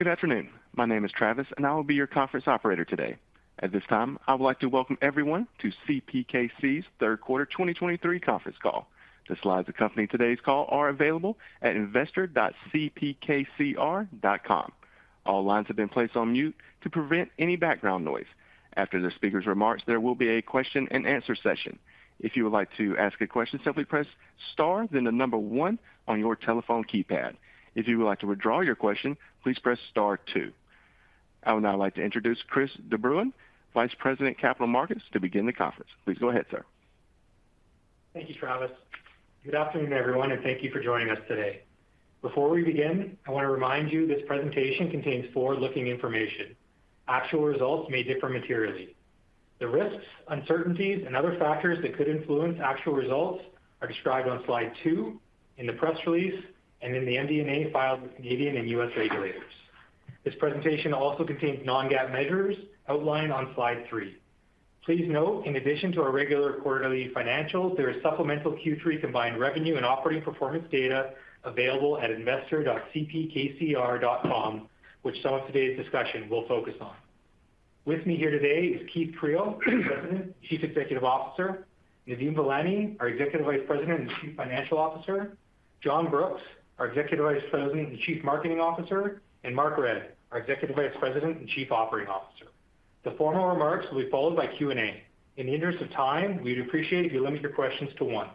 Good afternoon. My name is Travis, and I will be your conference operator today. At this time, I would like to welcome everyone to CPKC's third quarter 2023 conference call. The slides accompanying today's call are available at investor.cpkc.com. All lines have been placed on mute to prevent any background noise. After the speaker's remarks, there will be a question-and-answer session. If you would like to ask a question, simply press Star, then the number one on your telephone keypad. If you would like to withdraw your question, please press Star two. I would now like to introduce Chris de Bruyn, Vice President, Capital Markets, to begin the conference. Please go ahead, sir. Thank you, Travis. Good afternoon, everyone, and thank you for joining us today. Before we begin, I want to remind you this presentation contains forward-looking information. Actual results may differ materially. The risks, uncertainties, and other factors that could influence actual results are described on slide two, in the press release, and in the MD&A filed with Canadian and U.S. regulators. This presentation also contains non-GAAP measures outlined on slide three. Please note, in addition to our regular quarterly financials, there is supplemental Q3 combined revenue and operating performance data available at investor.cpkcr.com, which some of today's discussion will focus on. With me here today is Keith Creel, President, Chief Executive Officer; Nadeem Velani, our Executive Vice President and Chief Financial Officer; John Brooks, our Executive Vice President and Chief Marketing Officer; and Mark Redd, our Executive Vice President and Chief Operating Officer. The formal remarks will be followed by Q&A. In the interest of time, we'd appreciate if you limit your questions to one.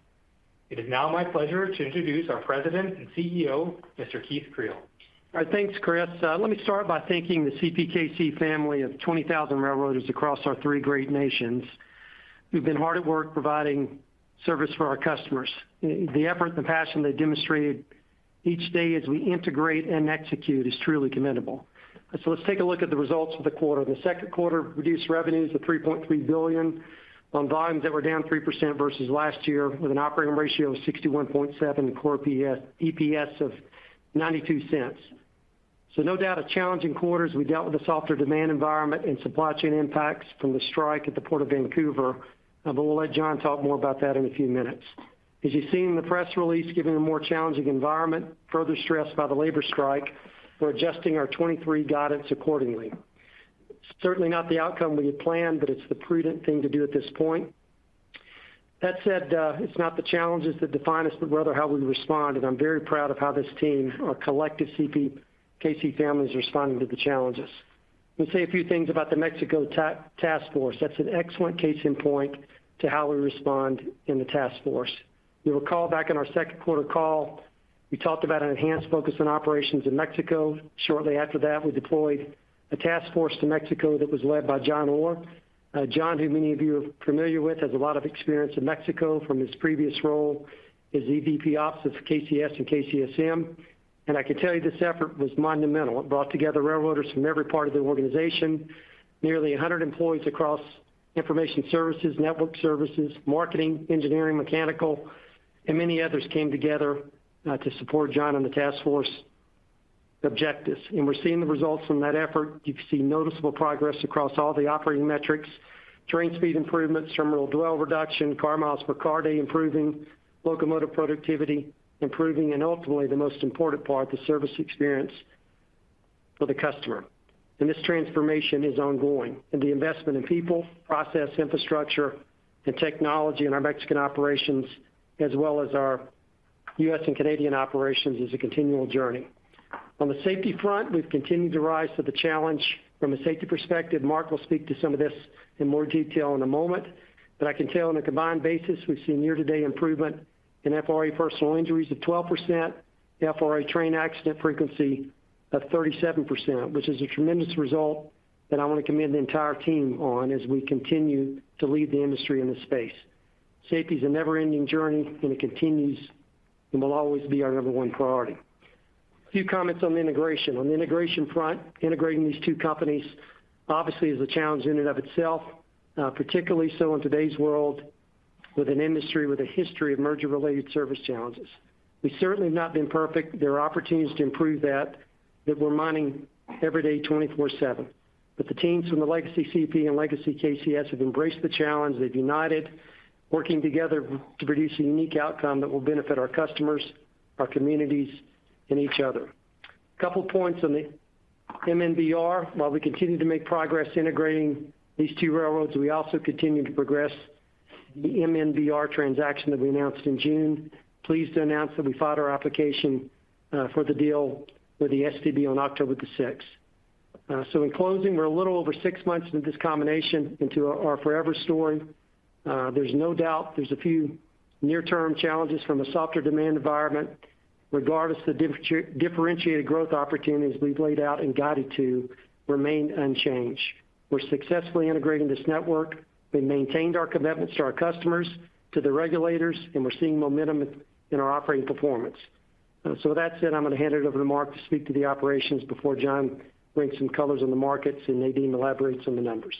It is now my pleasure to introduce our President and CEO, Mr. Keith Creel. All right. Thanks, Chris. Let me start by thanking the CPKC family of 20,000 railroaders across our three great nations, who've been hard at work providing service for our customers. The effort and passion they've demonstrated each day as we integrate and execute is truly commendable. So let's take a look at the results of the quarter. The second quarter produced revenues of 3.3 billion on volumes that were down 3% versus last year, with an operating ratio of 61.7 and core EPS of 0.92. So no doubt, a challenging quarter, as we dealt with a softer demand environment and supply chain impacts from the strike at the Port of Vancouver, but we'll let John talk more about that in a few minutes. As you've seen in the press release, given the more challenging environment, further stressed by the labor strike, we're adjusting our 2023 guidance accordingly. Certainly not the outcome we had planned, but it's the prudent thing to do at this point. That said, it's not the challenges that define us, but rather how we respond, and I'm very proud of how this team, our collective CPKC family, is responding to the challenges. Let's say a few things about the Mexico task force. That's an excellent case in point to how we respond in the task force. You'll recall back in our second quarter call, we talked about an enhanced focus on operations in Mexico. Shortly after that, we deployed a task force to Mexico that was led by John Orr. John, who many of you are familiar with, has a lot of experience in Mexico from his previous role as EVP and COO for KCS and KCSM. I can tell you this effort was monumental. It brought together railroaders from every part of the organization, nearly 100 employees across information services, network services, marketing, engineering, mechanical, and many others came together to support John and the task force objectives. We're seeing the results from that effort. You've seen noticeable progress across all the operating metrics, train speed improvements, terminal dwell reduction, car miles per car day improving, locomotive productivity improving, and ultimately, the most important part, the service experience for the customer. This transformation is ongoing, and the investment in people, process, infrastructure, and technology in our Mexican operations, as well as our U.S. and Canadian operations, is a continual journey. On the safety front, we've continued to rise to the challenge from a safety perspective. Mark will speak to some of this in more detail in a moment, but I can tell on a combined basis, we've seen year-to-date improvement in FRA personal injuries of 12%, FRA train accident frequency of 37%, which is a tremendous result that I want to commend the entire team on as we continue to lead the industry in this space. Safety is a never-ending journey, and it continues and will always be our number one priority. A few comments on the integration. On the integration front, integrating these two companies obviously is a challenge in and of itself, particularly so in today's world, with an industry with a history of merger-related service challenges. We certainly have not been perfect. There are opportunities to improve that that we're mining every day, 24/7. But the teams from the legacy CP and legacy KCS have embraced the challenge. They've united, working together to produce a unique outcome that will benefit our customers, our communities, and each other. A couple points on the MNBR. While we continue to make progress integrating these two railroads, we also continue to progress the MNBR transaction that we announced in June. Pleased to announce that we filed our application for the deal with the STB on October 6. So in closing, we're a little over six months into this combination, into our forever story. There's no doubt there's a few near-term challenges from a softer demand environment. Regardless, the differentiated growth opportunities we've laid out and guided to remain unchanged. We're successfully integrating this network. We've maintained our commitments to our customers, to the regulators, and we're seeing momentum in our operating performance. With that said, I'm going to hand it over to Mark to speak to the operations before John brings some colors on the markets, and Nadeem elaborates on the numbers.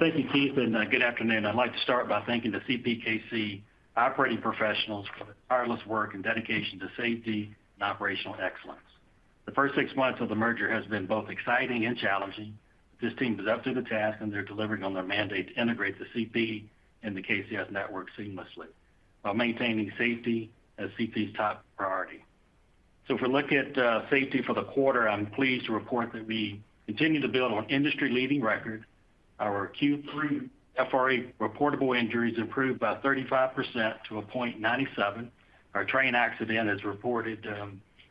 Thank you, Keith, and good afternoon. I'd like to start by thanking the CPKC operating professionals for their tireless work and dedication to safety and operational excellence. The first six months of the merger has been both exciting and challenging. This team is up to the task, and they're delivering on their mandate to integrate the CP and the KCS network seamlessly.... While maintaining safety as CP's top priority. So if we look at safety for the quarter, I'm pleased to report that we continue to build on industry-leading record. Our Q3 FRA reportable injuries improved by 35% to 0.97. Our train accident is reported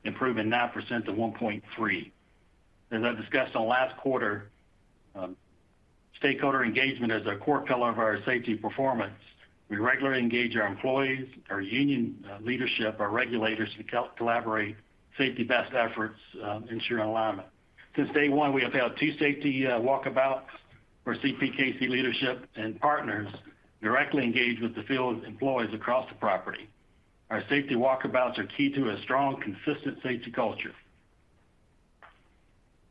improving 9% to 1.3. As I discussed on last quarter, stakeholder engagement is a core pillar of our safety performance. We regularly engage our employees, our union leadership, our regulators to collaborate safety best efforts, ensuring alignment. Since day one, we have held two safety walkabouts where CPKC leadership and partners directly engage with the field employees across the property. Our safety walkabouts are key to a strong, consistent safety culture.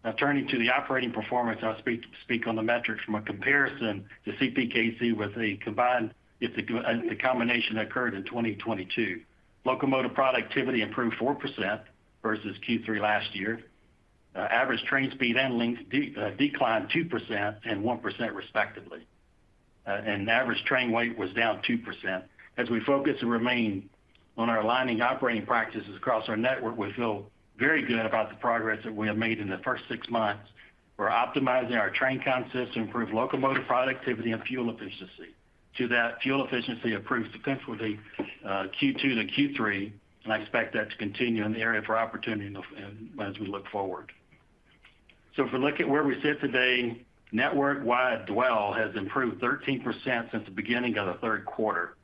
Now, turning to the operating performance, I'll speak on the metrics from a comparison to CPKC with a combination that occurred in 2022. Locomotive productivity improved 4% versus Q3 last year. Average train speed and length declined 2% and 1%, respectively. And average train weight was down 2%. As we focus and remain on our aligning operating practices across our network, we feel very good about the progress that we have made in the first six months. We're optimizing our train consists to improve locomotive productivity and fuel efficiency. To that, fuel efficiency improved substantially, Q2 to Q3, and I expect that to continue in the area for opportunity and as we look forward. So if we look at where we sit today, network-wide dwell has improved 13% since the beginning of the third quarter.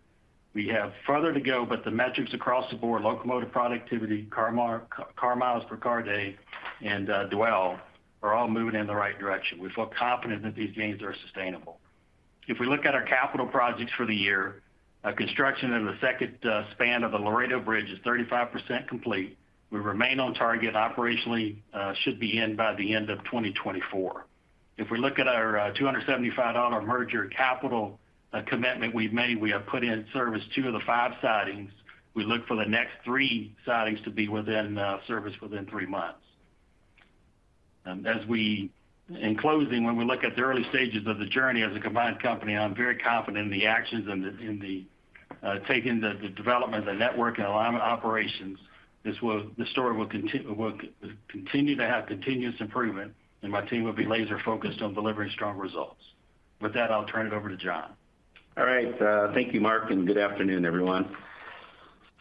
We have further to go, but the metrics across the board, locomotive productivity, Car Miles per Car Day, and dwell, are all moving in the right direction. We feel confident that these gains are sustainable. If we look at our capital projects for the year, our construction of the second span of the Laredo Bridge is 35% complete. We remain on target, and operationally should be in by the end of 2024. If we look at our 275 dollar merger capital commitment we've made, we have put in service two of the five sidings. We look for the next three sidings to be within service within three months. In closing, when we look at the early stages of the journey as a combined company, I'm very confident in the actions and in taking the development, the network, and alignment operations. The story will continue to have continuous improvement, and my team will be laser-focused on delivering strong results. With that, I'll turn it over to John. All right. Thank you, Mark, and good afternoon, everyone.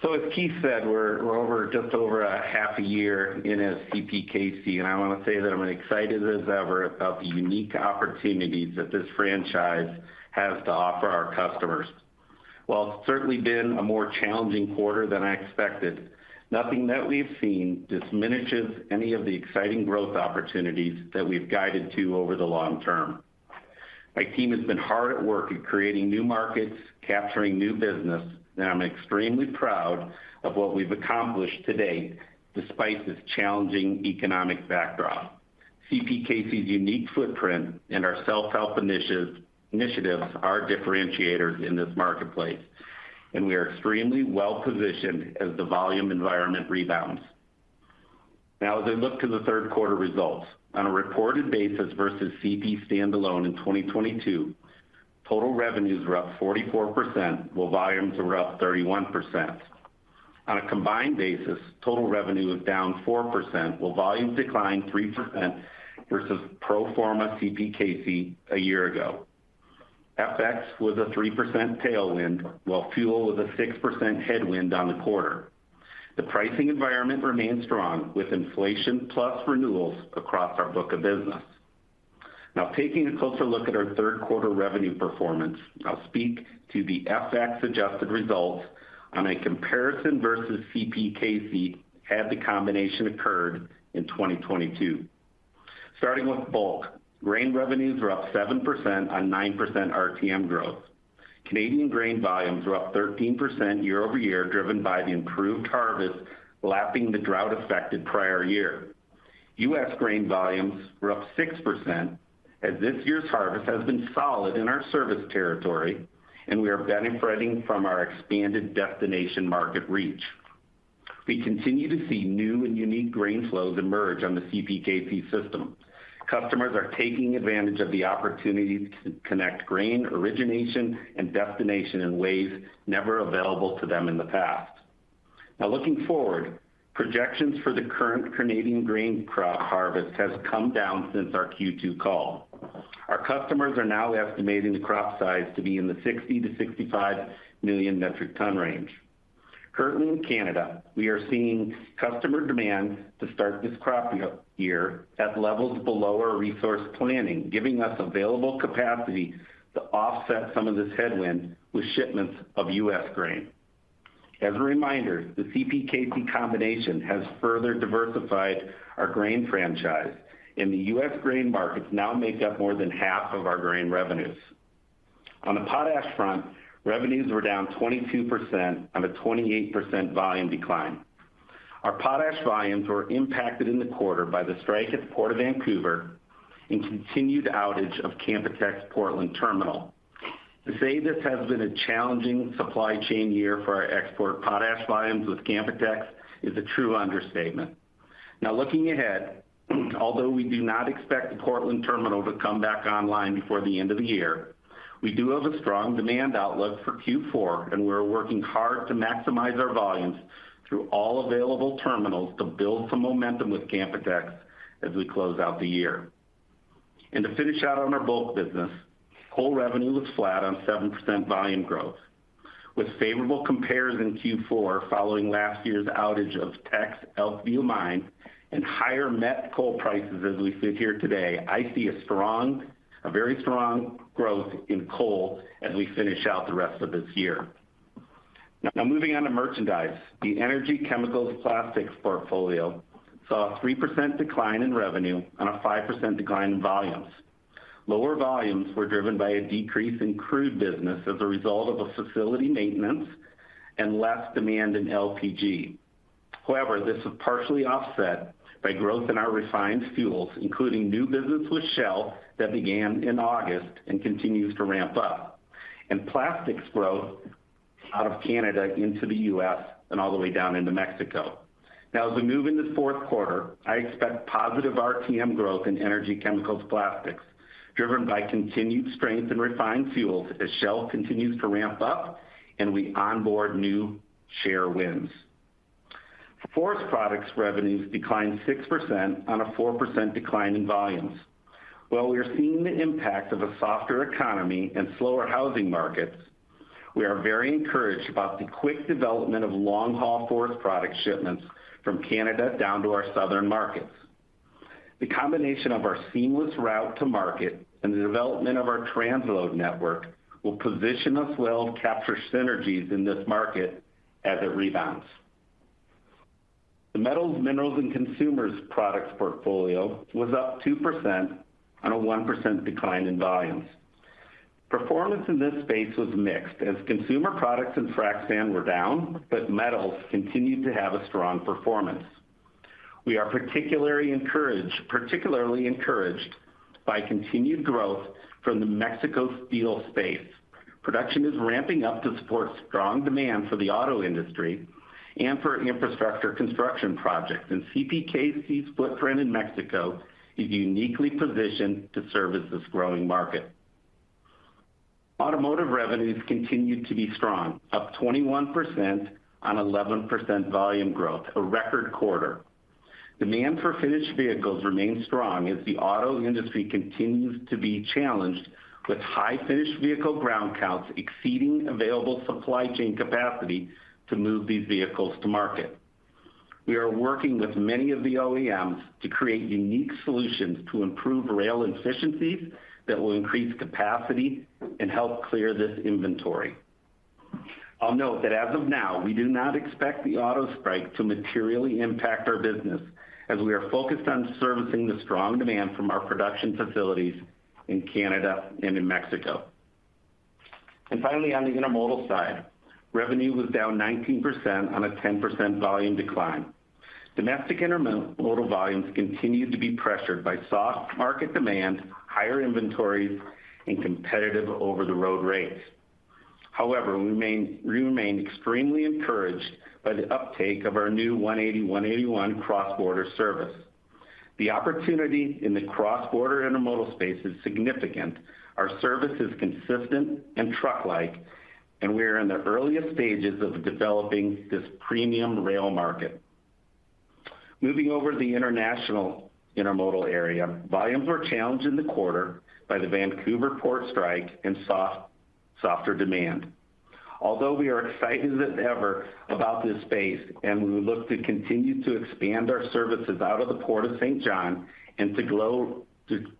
So, as Keith said, we're over, just over a half a year in as CPKC, and I want to say that I'm excited as ever about the unique opportunities that this franchise has to offer our customers. While it's certainly been a more challenging quarter than I expected, nothing that we've seen diminishes any of the exciting growth opportunities that we've guided to over the long term. My team has been hard at work at creating new markets, capturing new business, and I'm extremely proud of what we've accomplished to date, despite this challenging economic backdrop. CPKC's unique footprint and our self-help initiatives are differentiators in this marketplace, and we are extremely well-positioned as the volume environment rebounds. Now, as I look to the third quarter results, on a reported basis versus CP standalone in 2022, total revenues were up 44%, while volumes were up 31%. On a combined basis, total revenue is down 4%, while volumes declined 3% versus pro forma CPKC a year ago. FX was a 3% tailwind, while fuel was a 6% headwind on the quarter. The pricing environment remains strong, with inflation plus renewals across our book of business. Now, taking a closer look at our third quarter revenue performance, I'll speak to the FX-adjusted results on a comparison versus CPKC, had the combination occurred in 2022. Starting with bulk, grain revenues were up 7% on 9% RTM growth. Canadian grain volumes were up 13% year-over-year, driven by the improved harvest, lapping the drought-affected prior year. U.S. grain volumes were up 6%, as this year's harvest has been solid in our service territory, and we are benefiting from our expanded destination market reach. We continue to see new and unique grain flows emerge on the CPKC system. Customers are taking advantage of the opportunity to connect grain, origination, and destination in ways never available to them in the past. Now, looking forward, projections for the current Canadian grain crop harvest has come down since our Q2 call. Our customers are now estimating the crop size to be in the 60-65 million metric ton range. Currently in Canada, we are seeing customer demand to start this crop year at levels below our resource planning, giving us available capacity to offset some of this headwind with shipments of U.S. grain. As a reminder, the CPKC combination has further diversified our grain franchise, and the U.S. grain markets now make up more than half of our grain revenues. On the potash front, revenues were down 22% on a 28% volume decline. Our potash volumes were impacted in the quarter by the strike at the Port of Vancouver and continued outage of Canpotex Portland terminal. To say this has been a challenging supply chain year for our export potash volumes with Canpotex, is a true understatement. Now looking ahead, although we do not expect the Portland terminal to come back online before the end of the year, we do have a strong demand outlook for Q4, and we're working hard to maximize our volumes through all available terminals to build some momentum with Canpotex as we close out the year. To finish out on our bulk business, coal revenue was flat on 7% volume growth. With favorable compares in Q4 following last year's outage of Elkview Mine and higher met coal prices as we sit here today, I see a strong, a very strong growth in coal as we finish out the rest of this year. Now, moving on to merchandise. The energy chemicals plastics portfolio saw a 3% decline in revenue on a 5% decline in volumes. Lower volumes were driven by a decrease in crude business as a result of a facility maintenance and less demand in LPG. However, this is partially offset by growth in our refined fuels, including new business with Shell that began in August and continues to ramp up, and plastics growth out of Canada into the U.S. and all the way down into Mexico. Now, as we move into the fourth quarter, I expect positive RTM growth in energy chemicals plastics, driven by continued strength in refined fuels as Shell continues to ramp up and we onboard new share wins. Forest Products revenues declined 6% on a 4% decline in volumes. While we are seeing the impact of a softer economy and slower housing markets, we are very encouraged about the quick development of long-haul forest product shipments from Canada down to our southern markets. The combination of our seamless route to market and the development of our transload network will position us well to capture synergies in this market as it rebounds. The metals, minerals and consumer products portfolio was up 2% on a 1% decline in volumes. Performance in this space was mixed as consumer products and frac sand were down, but metals continued to have a strong performance. We are particularly encouraged by continued growth from the Mexico steel space. Production is ramping up to support strong demand for the auto industry and for infrastructure construction projects, and CPKC's footprint in Mexico is uniquely positioned to service this growing market. Automotive revenues continued to be strong, up 21% on 11% volume growth, a record quarter. Demand for finished vehicles remains strong as the auto industry continues to be challenged with high finished vehicle ground counts exceeding available supply chain capacity to move these vehicles to market. We are working with many of the OEMs to create unique solutions to improve rail efficiencies that will increase capacity and help clear this inventory. I'll note that as of now, we do not expect the auto strike to materially impact our business, as we are focused on servicing the strong demand from our production facilities in Canada and in Mexico. And finally, on the intermodal side, revenue was down 19% on a 10% volume decline. Domestic intermodal volumes continued to be pressured by soft market demand, higher inventories, and competitive over-the-road rates. However, we remain extremely encouraged by the uptake of our new 180/181 cross-border service. The opportunity in the cross-border intermodal space is significant. Our service is consistent and truck-like, and we are in the earliest stages of developing this premium rail market. Moving over to the international intermodal area, volumes were challenged in the quarter by the Vancouver port strike and softer demand. Although we are excited as ever about this space, and we look to continue to expand our services out of the Port of Saint John and to grow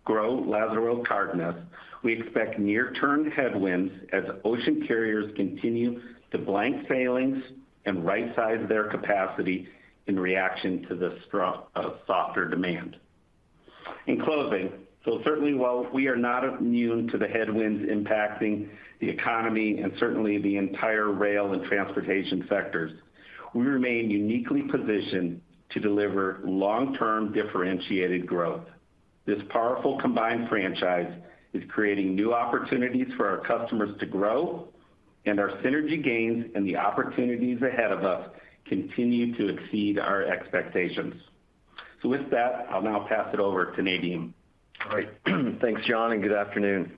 Lázaro Cárdenas, we expect near-term headwinds as ocean carriers continue to blank sailings and right-size their capacity in reaction to the softer demand. In closing, certainly, while we are not immune to the headwinds impacting the economy and certainly the entire rail and transportation sectors, we remain uniquely positioned to deliver long-term differentiated growth. This powerful combined franchise is creating new opportunities for our customers to grow, and our synergy gains and the opportunities ahead of us continue to exceed our expectations. With that, I'll now pass it over to Nadeem. All right. Thanks, John, and good afternoon.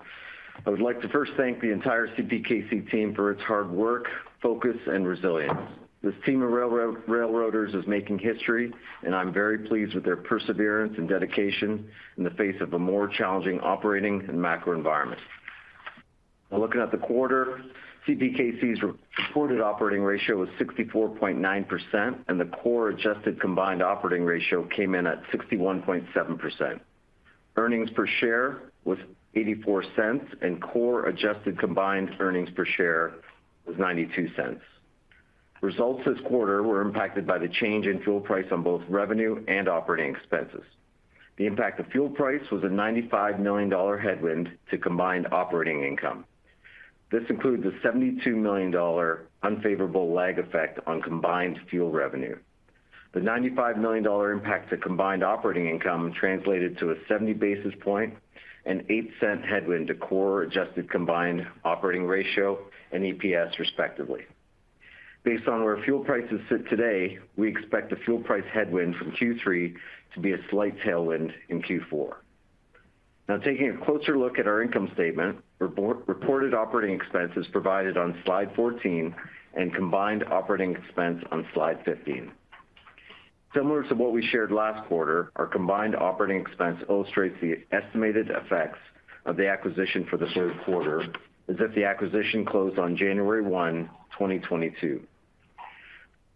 I would like to first thank the entire CPKC team for its hard work, focus, and resilience. This team of railroaders is making history, and I'm very pleased with their perseverance and dedication in the face of a more challenging operating and macro environment. Now, looking at the quarter, CPKC's reported operating ratio was 64.9%, and the core adjusted combined operating ratio came in at 61.7%. Earnings per share was 0.84, and core adjusted combined earnings per share was 0.92. Results this quarter were impacted by the change in fuel price on both revenue and operating expenses. The impact of fuel price was a 95 million dollar headwind to combined operating income. This includes a 72 million dollar unfavorable lag effect on combined fuel revenue. The 95 million dollar impact to combined operating income translated to a 70 basis point an 0.08 headwind to core adjusted combined operating ratio and EPS, respectively. Based on where fuel prices sit today, we expect the fuel price headwind from Q3 to be a slight tailwind in Q4. Now, taking a closer look at our income statement, reported operating expenses provided on slide 14 and combined operating expense on slide 15. Similar to what we shared last quarter, our combined operating expense illustrates the estimated effects of the acquisition for the third quarter, as if the acquisition closed on January 1, 2022.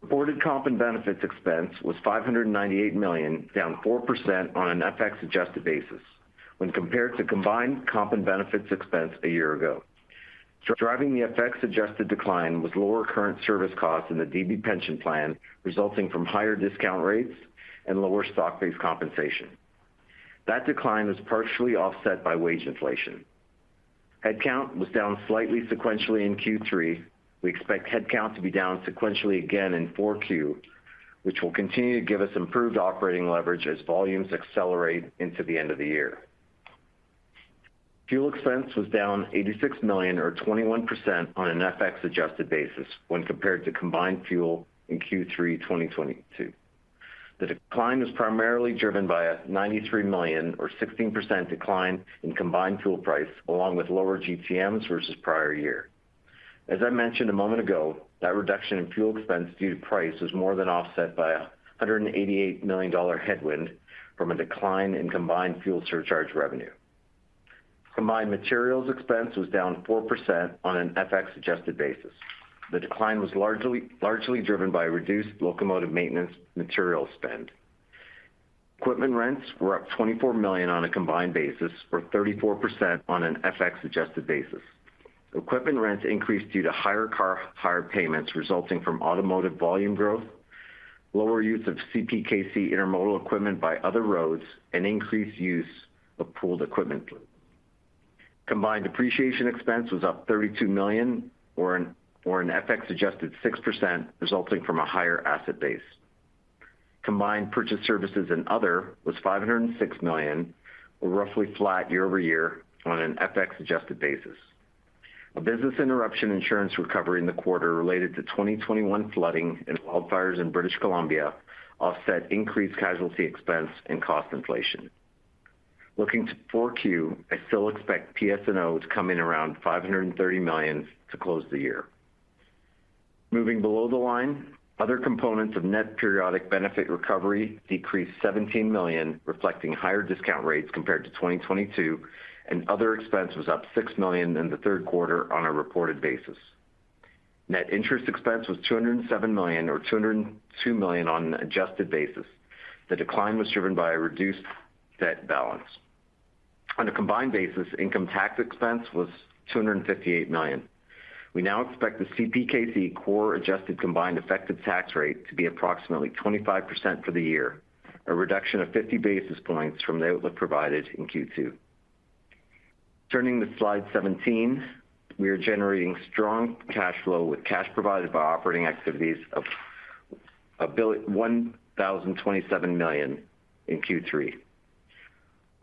Reported comp and benefits expense was 598 million, down 4% on an FX adjusted basis when compared to combined comp and benefits expense a year ago. Driving the FX adjusted decline was lower current service costs in the DB Pension Plan, resulting from higher discount rates and lower stock-based compensation. That decline was partially offset by wage inflation. Headcount was down slightly sequentially in Q3. We expect headcount to be down sequentially again in Q4, which will continue to give us improved operating leverage as volumes accelerate into the end of the year. Fuel expense was down 86 million, or 21% on an FX adjusted basis when compared to combined fuel in Q3 2022. The decline was primarily driven by a 93 million, or 16% decline in combined fuel price, along with lower GTMs versus prior year. As I mentioned a moment ago, that reduction in fuel expense due to price was more than offset by a 188 million dollar headwind from a decline in combined fuel surcharge revenue. Combined materials expense was down 4% on an FX adjusted basis. The decline was largely driven by reduced locomotive maintenance material spend. Equipment rents were up 24 million on a combined basis, or 34% on an FX adjusted basis. Equipment rents increased due to higher car hire payments resulting from automotive volume growth, lower use of CPKC intermodal equipment by other roads, and increased use of pooled equipment. Combined depreciation expense was up 32 million, or an FX adjusted 6%, resulting from a higher asset base. Combined purchase services and other was 506 million, or roughly flat year-over-year on an FX adjusted basis. A business interruption insurance recovery in the quarter related to 2021 flooding and wildfires in British Columbia offset increased casualty expense and cost inflation. Looking to Q4, I still expect PSNO to come in around 530 million to close the year. Moving below the line, other components of net periodic benefit recovery decreased CAD 17 million, reflecting higher discount rates compared to 2022, and other expense was up 6 million in the third quarter on a reported basis. Net interest expense was 207 million, or 202 million on an adjusted basis. The decline was driven by a reduced debt balance. On a combined basis, income tax expense was 258 million. We now expect the CPKC core adjusted combined effective tax rate to be approximately 25% for the year, a reduction of 50 basis points from the outlook provided in Q2. Turning to slide 17, we are generating strong cash flow with cash provided by operating activities of 1,027 million in Q3.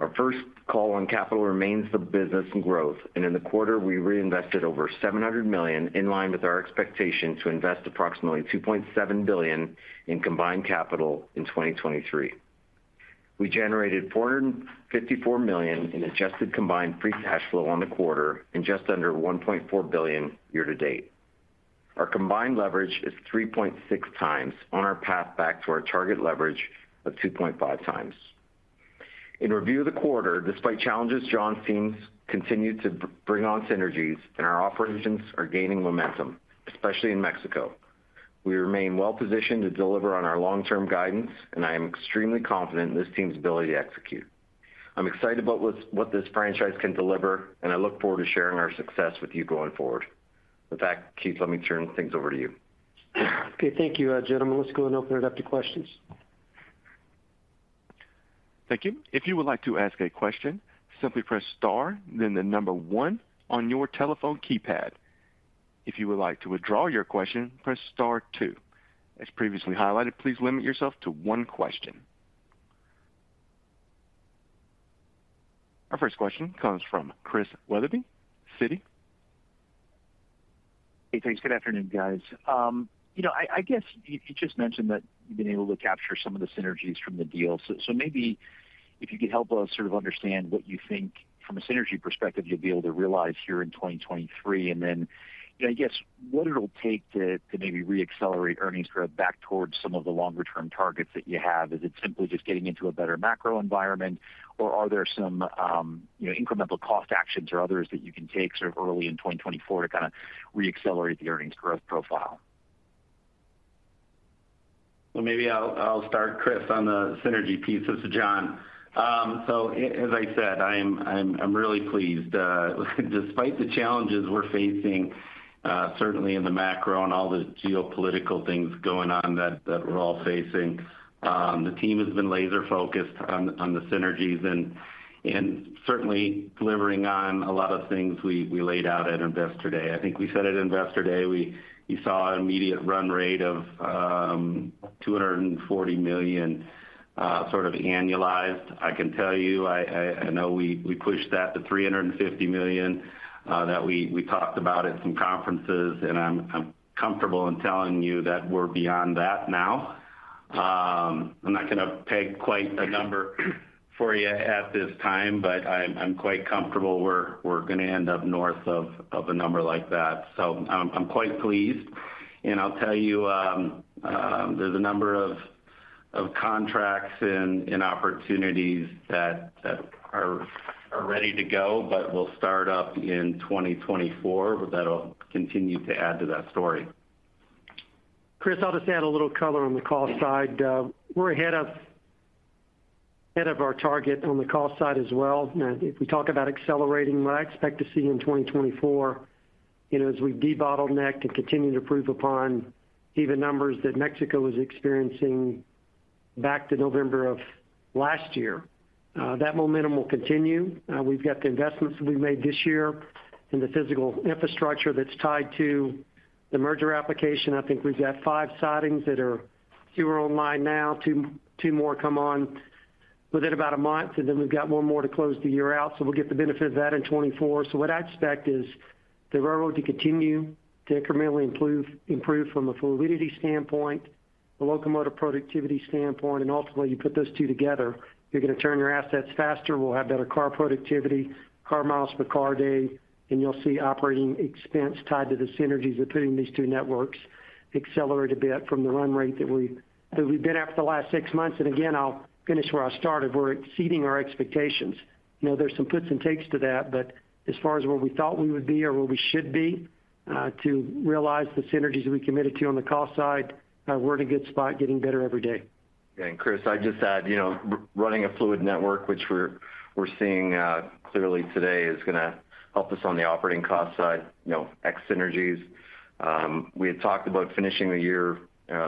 Our first call on capital remains the business and growth, and in the quarter, we reinvested over 700 million, in line with our expectation to invest approximately 2.7 billion in combined capital in 2023. We generated 454 million in adjusted combined free cash flow on the quarter and just under 1.4 billion year to date. Our combined leverage is 3.6x on our path back to our target leverage of 2.5x. In review of the quarter, despite challenges, John's teams continued to bring on synergies, and our operations are gaining momentum, especially in Mexico. We remain well positioned to deliver on our long-term guidance, and I am extremely confident in this team's ability to execute. I'm excited about what this franchise can deliver, and I look forward to sharing our success with you going forward. With that, Keith, let me turn things over to you. Okay, thank you, gentlemen. Let's go and open it up to questions. Thank you. If you would like to ask a question, simply press star, then the number one on your telephone keypad. If you would like to withdraw your question, press star two. As previously highlighted, please limit yourself to one question. Our first question comes from Chris Wetherbee, Citi. Hey, thanks. Good afternoon, guys. You know, I guess you just mentioned that you've been able to capture some of the synergies from the deal. So maybe if you could help us sort of understand what you think from a synergy perspective, you'll be able to realize here in 2023, and then, you know, I guess what it'll take to maybe reaccelerate earnings growth back towards some of the longer term targets that you have. Is it simply just getting into a better macro environment, or are there some, you know, incremental cost actions or others that you can take sort of early in 2024 to kind of reaccelerate the earnings growth profile? Well, maybe I'll start, Chris, on the synergy piece. This is John. So as I said, I'm really pleased. Despite the challenges we're facing, certainly in the macro and all the geopolitical things going on that we're all facing, the team has been laser focused on the synergies and certainly delivering on a lot of things we laid out at Investor Day. I think we said at Investor Day, you saw an immediate run rate of 240 million sort of annualized. I can tell you, I know we pushed that to 350 million that we talked about at some conferences, and I'm comfortable in telling you that we're beyond that now.... I'm not gonna peg quite a number for you at this time, but I'm quite comfortable we're gonna end up north of a number like that. So I'm quite pleased. And I'll tell you, there's a number of contracts and opportunities that are ready to go, but will start up in 2024. That'll continue to add to that story. Chris, I'll just add a little color on the cost side. We're ahead of, ahead of our target on the cost side as well. Now, if we talk about accelerating, what I expect to see in 2024, you know, as we de-bottleneck and continue to improve upon even numbers that Mexico was experiencing back to November of last year, that momentum will continue. We've got the investments that we made this year and the physical infrastructure that's tied to the merger application. I think we've got five sidings that are fewer online now, two, two more come on within about a month, and then we've got one more to close the year out, so we'll get the benefit of that in 2024. So what I expect is the railroad to continue to incrementally improve, improve from a fluidity standpoint, a locomotive productivity standpoint, and ultimately, you put those two together, you're gonna turn your assets faster. We'll have better car productivity, car miles per car day, and you'll see operating expense tied to the synergies of putting these two networks accelerate a bit from the run rate that we've, that we've been at for the last six months. And again, I'll finish where I started. We're exceeding our expectations. You know, there's some puts and takes to that, but as far as where we thought we would be or where we should be, to realize the synergies we committed to on the cost side, we're in a good spot, getting better every day. Yeah, and, Chris, I'd just add, you know, running a fluid network, which we're seeing clearly today, is gonna help us on the operating cost side, you know, X synergies. We had talked about finishing the year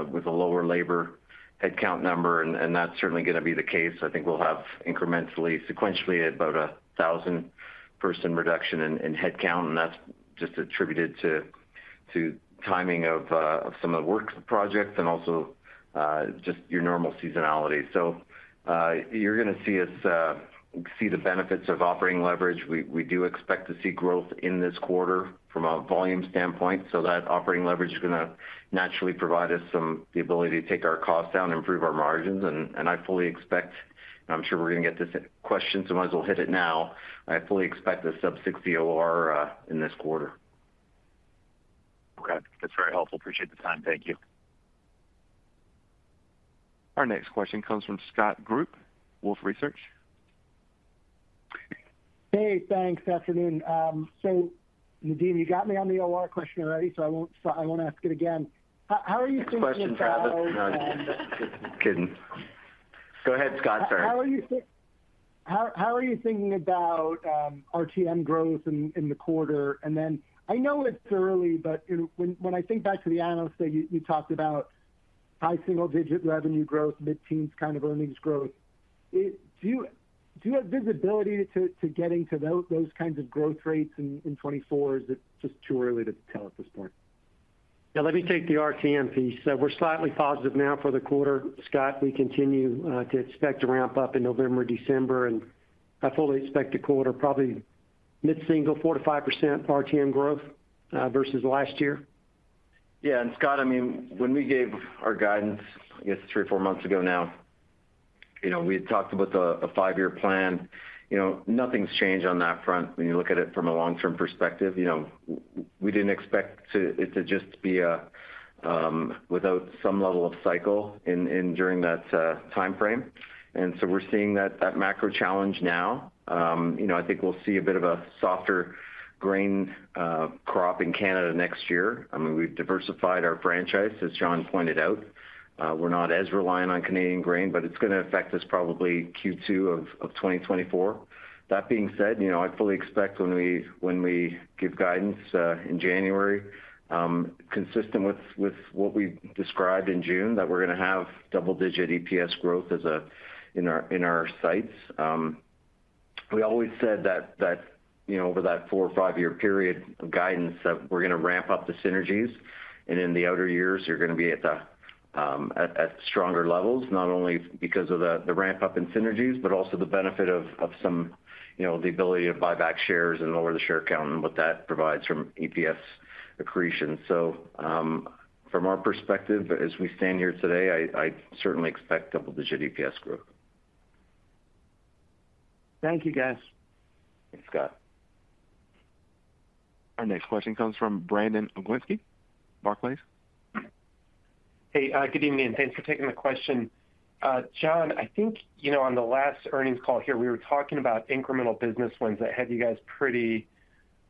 with a lower labor headcount number, and that's certainly gonna be the case. I think we'll have incrementally, sequentially, about a 1,000-person reduction in headcount, and that's just attributed to timing of some of the works projects and also just your normal seasonality. So, you're gonna see us see the benefits of operating leverage. We do expect to see growth in this quarter from a volume standpoint, so that operating leverage is gonna naturally provide us some the ability to take our costs down and improve our margins. I fully expect, and I'm sure we're gonna get this question, so I might as well hit it now. I fully expect a sub-60 OR in this quarter. Okay. That's very helpful. Appreciate the time. Thank you. Our next question comes from Scott Group, Wolfe Research. Hey, thanks. Afternoon. So, Nadeem, you got me on the OR question already, so I won't—I won't ask it again. How are you thinking about- Kidding. Go ahead, Scott. Sorry. How are you thinking about RTM growth in the quarter? And then I know it's early, but you know, when I think back to the analyst day, you talked about high single-digit revenue growth, mid-teens kind of earnings growth. Do you have visibility to getting to those kinds of growth rates in 2024, or is it just too early to tell at this point? Yeah, let me take the RTM piece. So we're slightly positive now for the quarter, Scott. We continue to expect to ramp up in November, December, and I fully expect a quarter, probably mid-single, 4%-5% RTM growth versus last year. Yeah, and Scott, I mean, when we gave our guidance, I guess three or four months ago now, you know, we had talked about a five-year plan. You know, nothing's changed on that front when you look at it from a long-term perspective. You know, we didn't expect it to just be a without some level of cycle in during that time frame. And so we're seeing that macro challenge now. You know, I think we'll see a bit of a softer grain crop in Canada next year. I mean, we've diversified our franchise, as John pointed out. We're not as reliant on Canadian grain, but it's gonna affect us probably Q2 of 2024. That being said, you know, I fully expect when we give guidance in January, consistent with what we described in June, that we're gonna have double-digit EPS growth in our sights. We always said that, you know, over that four- or five-year period of guidance, that we're gonna ramp up the synergies, and in the outer years, you're gonna be at stronger levels, not only because of the ramp-up in synergies, but also the benefit of some, you know, the ability to buy back shares and lower the share count and what that provides from EPS accretion. So, from our perspective, as we stand here today, I certainly expect double-digit EPS growth. Thank you, guys. Thanks, Scott. Our next question comes from Brandon Oglenski, Barclays. Hey, good evening, and thanks for taking the question. John, I think, you know, on the last earnings call here, we were talking about incremental business wins that had you guys pretty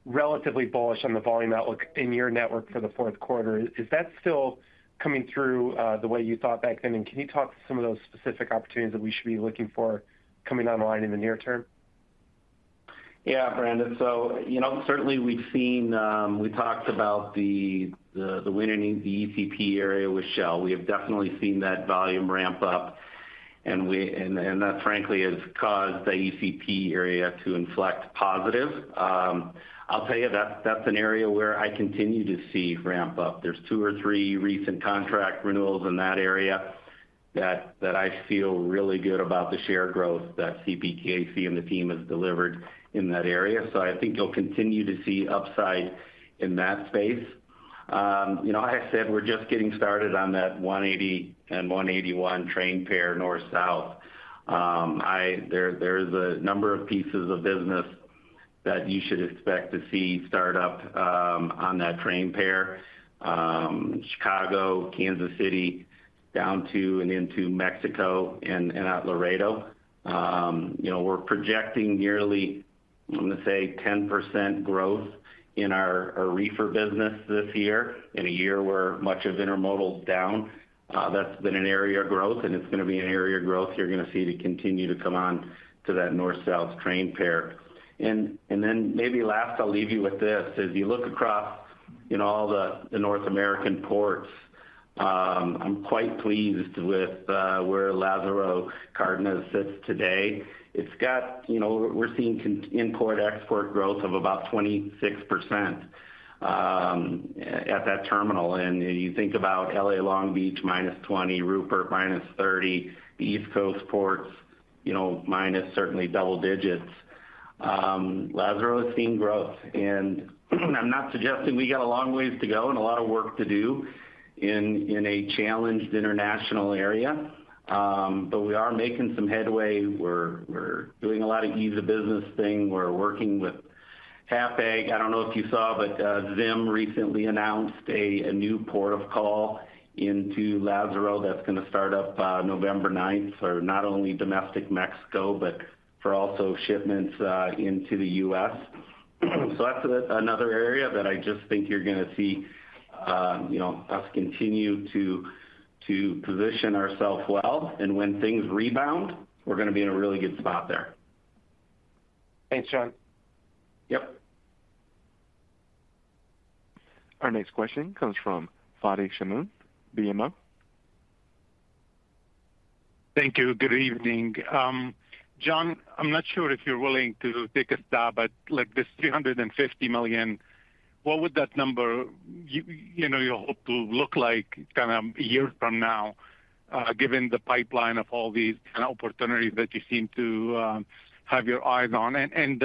relatively bullish on the volume outlook in your network for the fourth quarter. Is that still coming through, the way you thought back then? And can you talk to some of those specific opportunities that we should be looking for coming online in the near term? Yeah, Brandon. So, you know, certainly we've seen. We talked about winning the ECP area with Shell. We have definitely seen that volume ramp up, and that, frankly, has caused the ECP area to inflect positive. I'll tell you, that's an area where I continue to see ramp up. There's two or three recent contract renewals in that area that I feel really good about the share growth that CPKC and the team has delivered in that area. So I think you'll continue to see upside in that space.... You know, I said we're just getting started on that 180 and 181 train pair, north-south. There, there's a number of pieces of business that you should expect to see start up, on that train pair. Chicago, Kansas City, down to and into Mexico and, and at Laredo. You know, we're projecting nearly, I'm going to say, 10% growth in our, our reefer business this year, in a year where much of intermodal is down. That's been an area of growth, and it's going to be an area of growth you're going to see to continue to come on to that north-south train pair. And, and then maybe last, I'll leave you with this. As you look across, you know, all the, the North American ports, I'm quite pleased with, where Lázaro Cárdenas sits today. It's got... You know, we're seeing con-- import-export growth of about 26%, at that terminal. And you think about LA Long Beach, -20, Rupert, -30, the East Coast ports, you know, minus certainly double digits. Lazaro is seeing growth, and I'm not suggesting we got a long ways to go and a lot of work to do in, in a challenged international area, but we are making some headway. We're, we're doing a lot of ease-of-business thing. We're working with Cafe. I don't know if you saw, but, Zim recently announced a, a new port of call into Lazaro that's going to start up, November ninth for not only domestic Mexico, but for also shipments, into the U.S.. So that's another area that I just think you're going to see, you know, us continue to position ourselves well, and when things rebound, we're going to be in a really good spot there. Thanks, John. Yep. Our next question comes from Fadi Chamoun, BMO. Thank you. Good evening. John, I'm not sure if you're willing to take a stab at, like, this 350 million. What would that number, you know, you hope to look like kind of a year from now, given the pipeline of all these kind of opportunities that you seem to have your eyes on? And,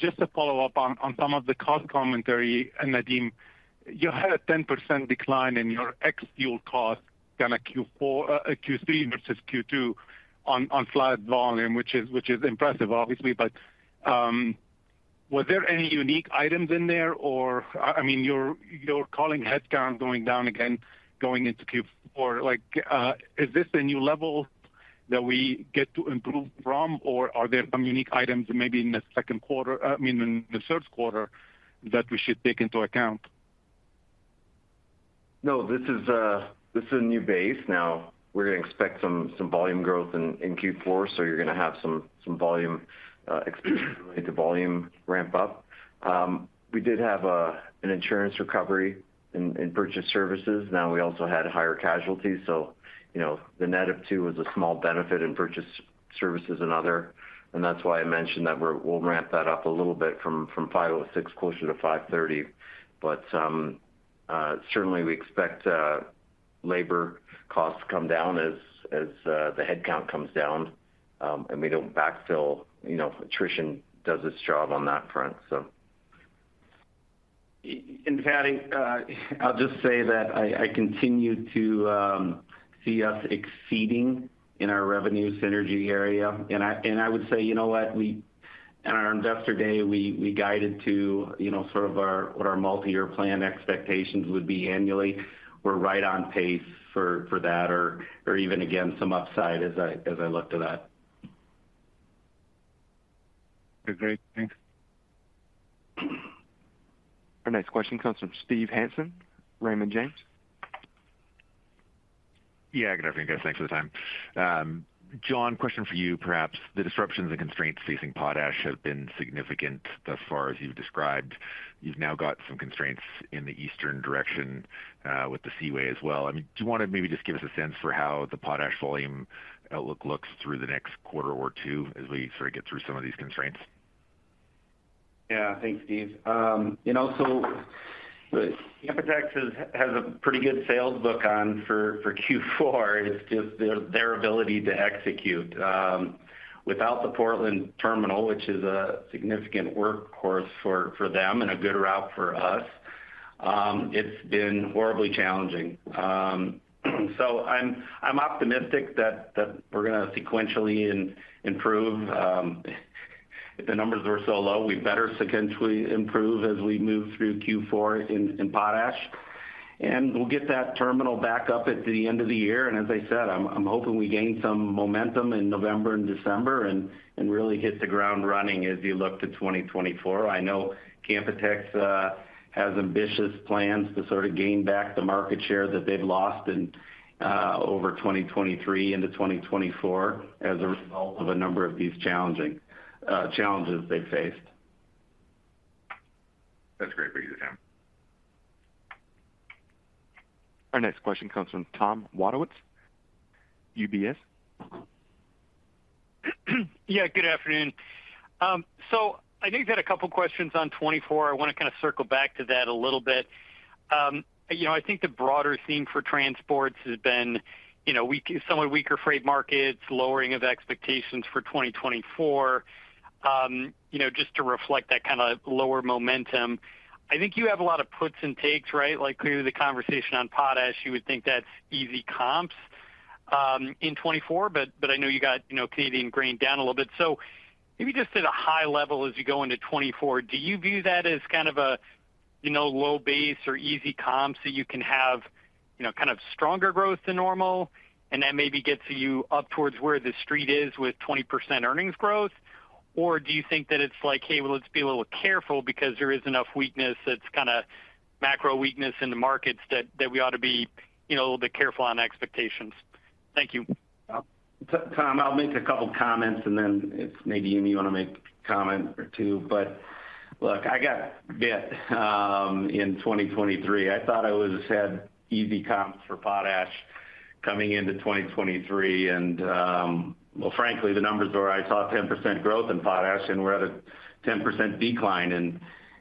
just to follow up on some of the cost commentary, and Nadeem, you had a 10% decline in your ex-fuel costs kind of Q4, Q3 versus Q2 on flat volume, which is impressive, obviously. But, was there any unique items in there? Or, I mean, you're calling headcount going down again, going into Q4. Like, is this a new level that we get to improve from, or are there some unique items maybe in the second quarter, I mean, in the third quarter, that we should take into account? No, this is a new base. Now, we're going to expect some volume growth in Q4, so you're going to have some volume related to volume ramp up. We did have an insurance recovery in purchased services. Now, we also had higher casualties, so you know, the net of two was a small benefit in purchased services and other, and that's why I mentioned that we'll ramp that up a little bit from 506 closer to 530. But certainly, we expect labor costs to come down as the headcount comes down, and we don't backfill, you know, attrition does its job on that front, so... And Fadi, I'll just say that I continue to see us exceeding in our revenue synergy area. I would say, you know what? We, in our Investor Day, we guided to, you know, sort of our, what our multi-year plan expectations would be annually. We're right on pace for that or even, again, some upside as I look to that. Okay, great. Thanks. Our next question comes from Steve Hansen, Raymond James. Yeah, good afternoon, guys. Thanks for the time. John, question for you, perhaps. The disruptions and constraints facing potash have been significant thus far, as you've described. You've now got some constraints in the eastern direction, with the seaway as well. I mean, do you want to maybe just give us a sense for how the potash volume outlook looks through the next quarter or two as we sort of get through some of these constraints? Yeah. Thanks, Steve. You know, so Canpotex has a pretty good sales book on for Q4. It's just their ability to execute. Without the Portland terminal, which is a significant workhorse for them and a good route for us, it's been horribly challenging. So I'm optimistic that we're going to sequentially improve. The numbers were so low, we better sequentially improve as we move through Q4 in Potash. And we'll get that terminal back up at the end of the year, and as I said, I'm hoping we gain some momentum in November and December and really hit the ground running as you look to 2024. I know Canpotex has ambitious plans to sort of gain back the market share that they've lost in over 2023 into 2024, as a result of a number of these challenging challenges they've faced. That's great for you, John. Our next question comes from Tom Wadewitz, UBS. Yeah, good afternoon. So I know you've had a couple of questions on 2024. I want to kind of circle back to that a little bit. You know, I think the broader theme for transports has been, you know, somewhat weaker freight markets, lowering of expectations for 2024, you know, just to reflect that kind of lower momentum. I think you have a lot of puts and takes, right? Like, clearly, the conversation on potash, you would think that's easy comps.... in 2024, but I know you got, you know, Canadian grain down a little bit. So maybe just at a high level as you go into 2024, do you view that as kind of a, you know, low base or easy comp, so you can have, you know, kind of stronger growth than normal, and that maybe gets you up towards where the street is with 20% earnings growth? Or do you think that it's like, "Hey, well, let's be a little careful because there is enough weakness that's kinda macro weakness in the markets, that we ought to be, you know, a little bit careful on expectations?" Thank you. Tom, I'll make a couple comments, and then if maybe you want to make a comment or two. But look, I got bit in 2023. I thought I had easy comps for potash coming into 2023, and, well, frankly, the numbers were, I saw 10% growth in potash, and we're at a 10% decline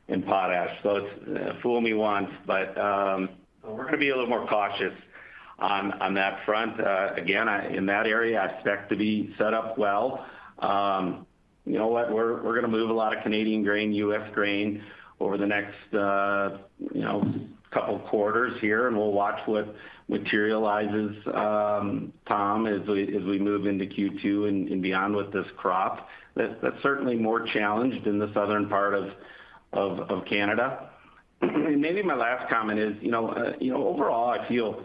in potash. So it's fool me once, but we're gonna be a little more cautious on that front. Again, in that area, I expect to be set up well. You know what? We're gonna move a lot of Canadian grain, US grain over the next couple of quarters here, and we'll watch what materializes, Tom, as we move into Q2 and beyond with this crop. That's certainly more challenged in the southern part of Canada. And maybe my last comment is, you know, you know, overall, I feel,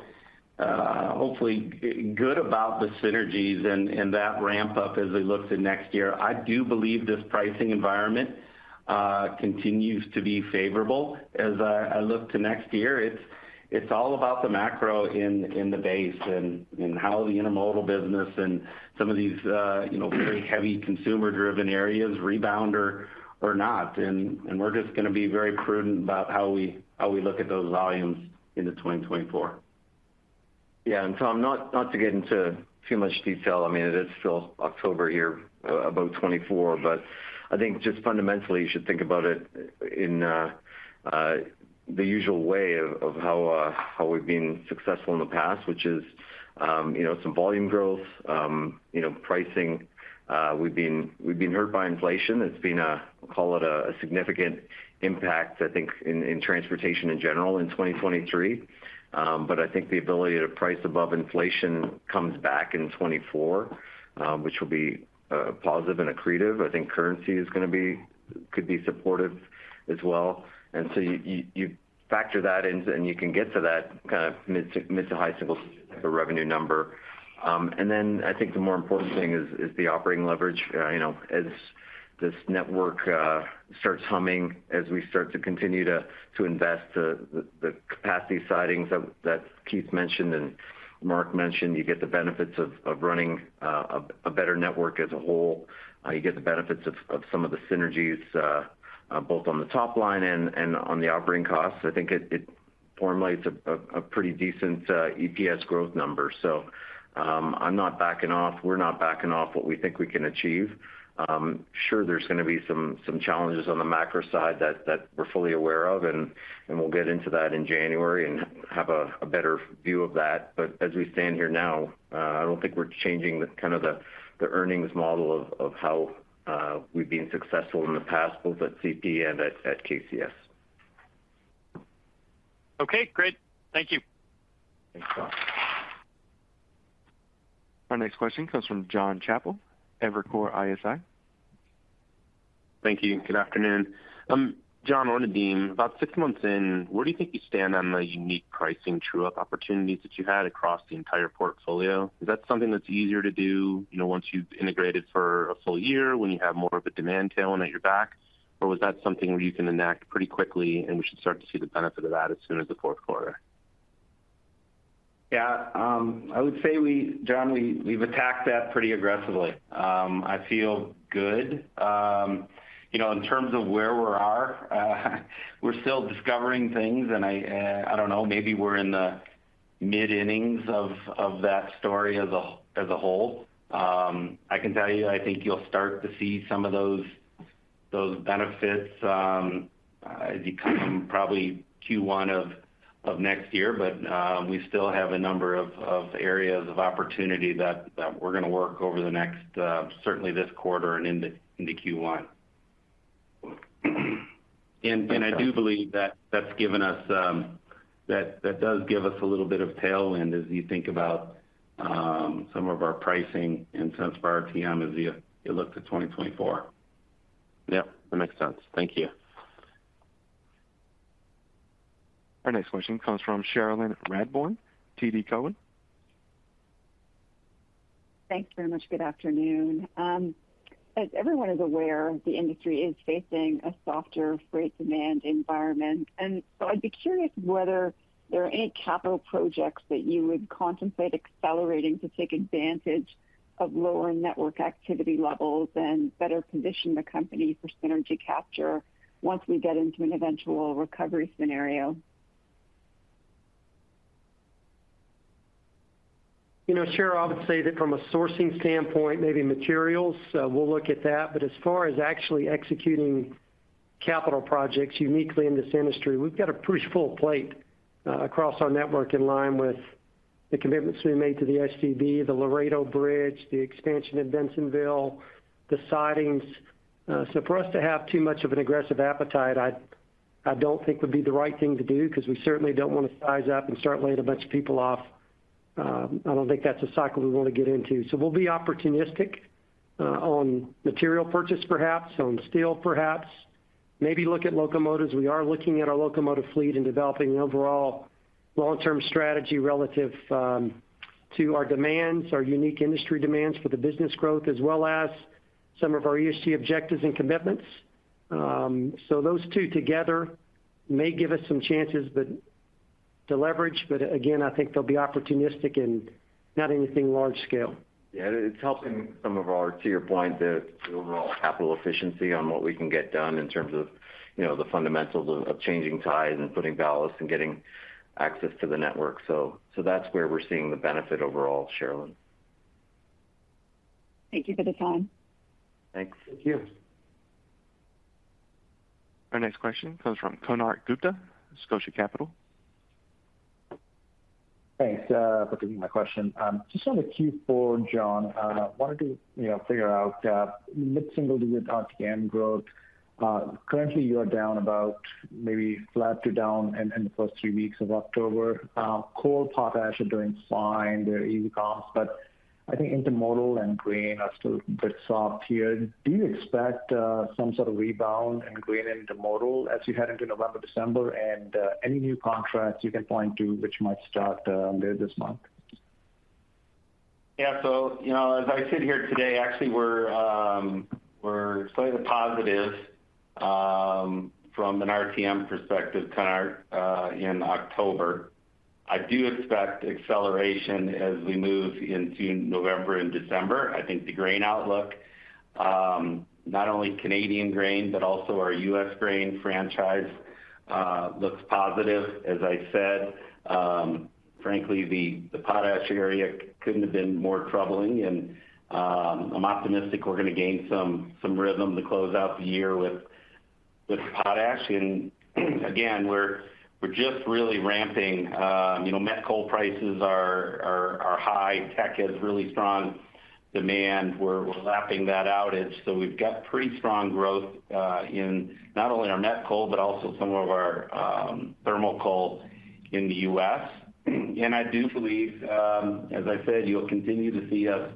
hopefully good about the synergies and that ramp up as we look to next year. I do believe this pricing environment continues to be favorable. As I look to next year, it's all about the macro in the base and how the intermodal business and some of these, you know, very heavy consumer-driven areas rebound or not. And we're just gonna be very prudent about how we look at those volumes into 2024. Yeah, and Tom, not to get into too much detail, I mean, it is still October here, about 2024. But I think just fundamentally, you should think about it in the usual way of how we've been successful in the past, which is, you know, some volume growth. You know, pricing, we've been hurt by inflation. It's been a, call it a significant impact, I think, in transportation in general in 2023. But I think the ability to price above inflation comes back in 2024, which will be positive and accretive. I think currency is gonna be—could be supportive as well. And so you factor that in, and you can get to that kind of mid- to high-single revenue number. And then I think the more important thing is the operating leverage. You know, as this network starts humming, as we start to continue to invest, the capacity sidings that Keith mentioned and Mark mentioned, you get the benefits of running a better network as a whole. You get the benefits of some of the synergies both on the top line and on the operating costs. I think it formulates a pretty decent EPS growth number. So, I'm not backing off. We're not backing off what we think we can achieve. I'm sure there's gonna be some challenges on the macro side that we're fully aware of, and we'll get into that in January and have a better view of that. But as we stand here now, I don't think we're changing the kind of earnings model of how we've been successful in the past, both at CP and at KCS. Okay, great. Thank you. Thanks, Tom. Our next question comes from Jon Chappell, Evercore ISI. Thank you, and good afternoon. John Orr, about six months in, where do you think you stand on the unique pricing true-up opportunities that you had across the entire portfolio? Is that something that's easier to do, you know, once you've integrated for a full year, when you have more of a demand tailwind at your back? Or was that something where you can enact pretty quickly, and we should start to see the benefit of that as soon as the fourth quarter? Yeah, I would say we, Jon, we, we've attacked that pretty aggressively. I feel good. You know, in terms of where we are, we're still discovering things, and I, I don't know, maybe we're in the mid-innings of that story as a whole. I can tell you, I think you'll start to see some of those benefits coming probably Q1 of next year. But, we still have a number of areas of opportunity that we're gonna work over the next certainly this quarter and into Q1. And, I do believe that that's given us, that does give us a little bit of tailwind as you think about some of our pricing and sense for our TM as you look to 2024. Yep, that makes sense. Thank you. Our next question comes from Cherilyn Radbourne, TD Cowen. Thanks very much. Good afternoon. As everyone is aware, the industry is facing a softer freight demand environment. And so I'd be curious whether there are any capital projects that you would contemplate accelerating to take advantage of lower network activity levels and better position the company for synergy capture once we get into an eventual recovery scenario? You know, Cheril, I would say that from a sourcing standpoint, maybe materials, we'll look at that. But as far as actually executing capital projects uniquely in this industry, we've got a pretty full plate, across our network, in line with the commitments we made to the STB, the Laredo Bridge, the expansion in Bensenville, the sidings. So for us to have too much of an aggressive appetite, I don't think would be the right thing to do, because we certainly don't want to size up and start laying a bunch of people off. I don't think that's a cycle we want to get into. So we'll be opportunistic, on material purchase perhaps, on steel perhaps, maybe look at locomotives. We are looking at our locomotive fleet and developing an overall long-term strategy relative to our demands, our unique industry demands for the business growth, as well as some of our ESG objectives and commitments. So those two together may give us some chances, but to leverage, but again, I think they'll be opportunistic and not anything large scale. Yeah, it's helping some of our, to your point, the overall capital efficiency on what we can get done in terms of, you know, the fundamentals of changing ties and putting ballasts and getting access to the network. So that's where we're seeing the benefit overall, Cherilyn. Thank you for the time. Thanks. Thank you. Our next question comes from Konark Gupta, Scotia Capital. Thanks, for taking my question. Just on the Q4, John, I wanted to, you know, figure out, mid-single digit RTM growth. Currently, you are down about maybe flat to down in, in the first three weeks of October. Coal, potash are doing fine, they're easy comps, but I think intermodal and grain are still a bit soft here. Do you expect, some sort of rebound in grain, intermodal as you head into November, December? And, any new contracts you can point to, which might start, there this month? Yeah. So, you know, as I sit here today, actually, we're, we're slightly positive, from an RTM perspective, Konark, in October. I do expect acceleration as we move into November and December. I think the grain outlook, not only Canadian grain, but also our U.S. grain franchise, looks positive, as I said. Frankly, the potash area couldn't have been more troubling, and, I'm optimistic we're going to gain some rhythm to close out the year with potash. And again, we're, we're just really ramping... You know, met coal prices are high. Teck has really strong demand. We're, we're lapping that outage. So we've got pretty strong growth, in not only our met coal, but also some of our thermal coal in the U.S. I do believe, as I said, you'll continue to see us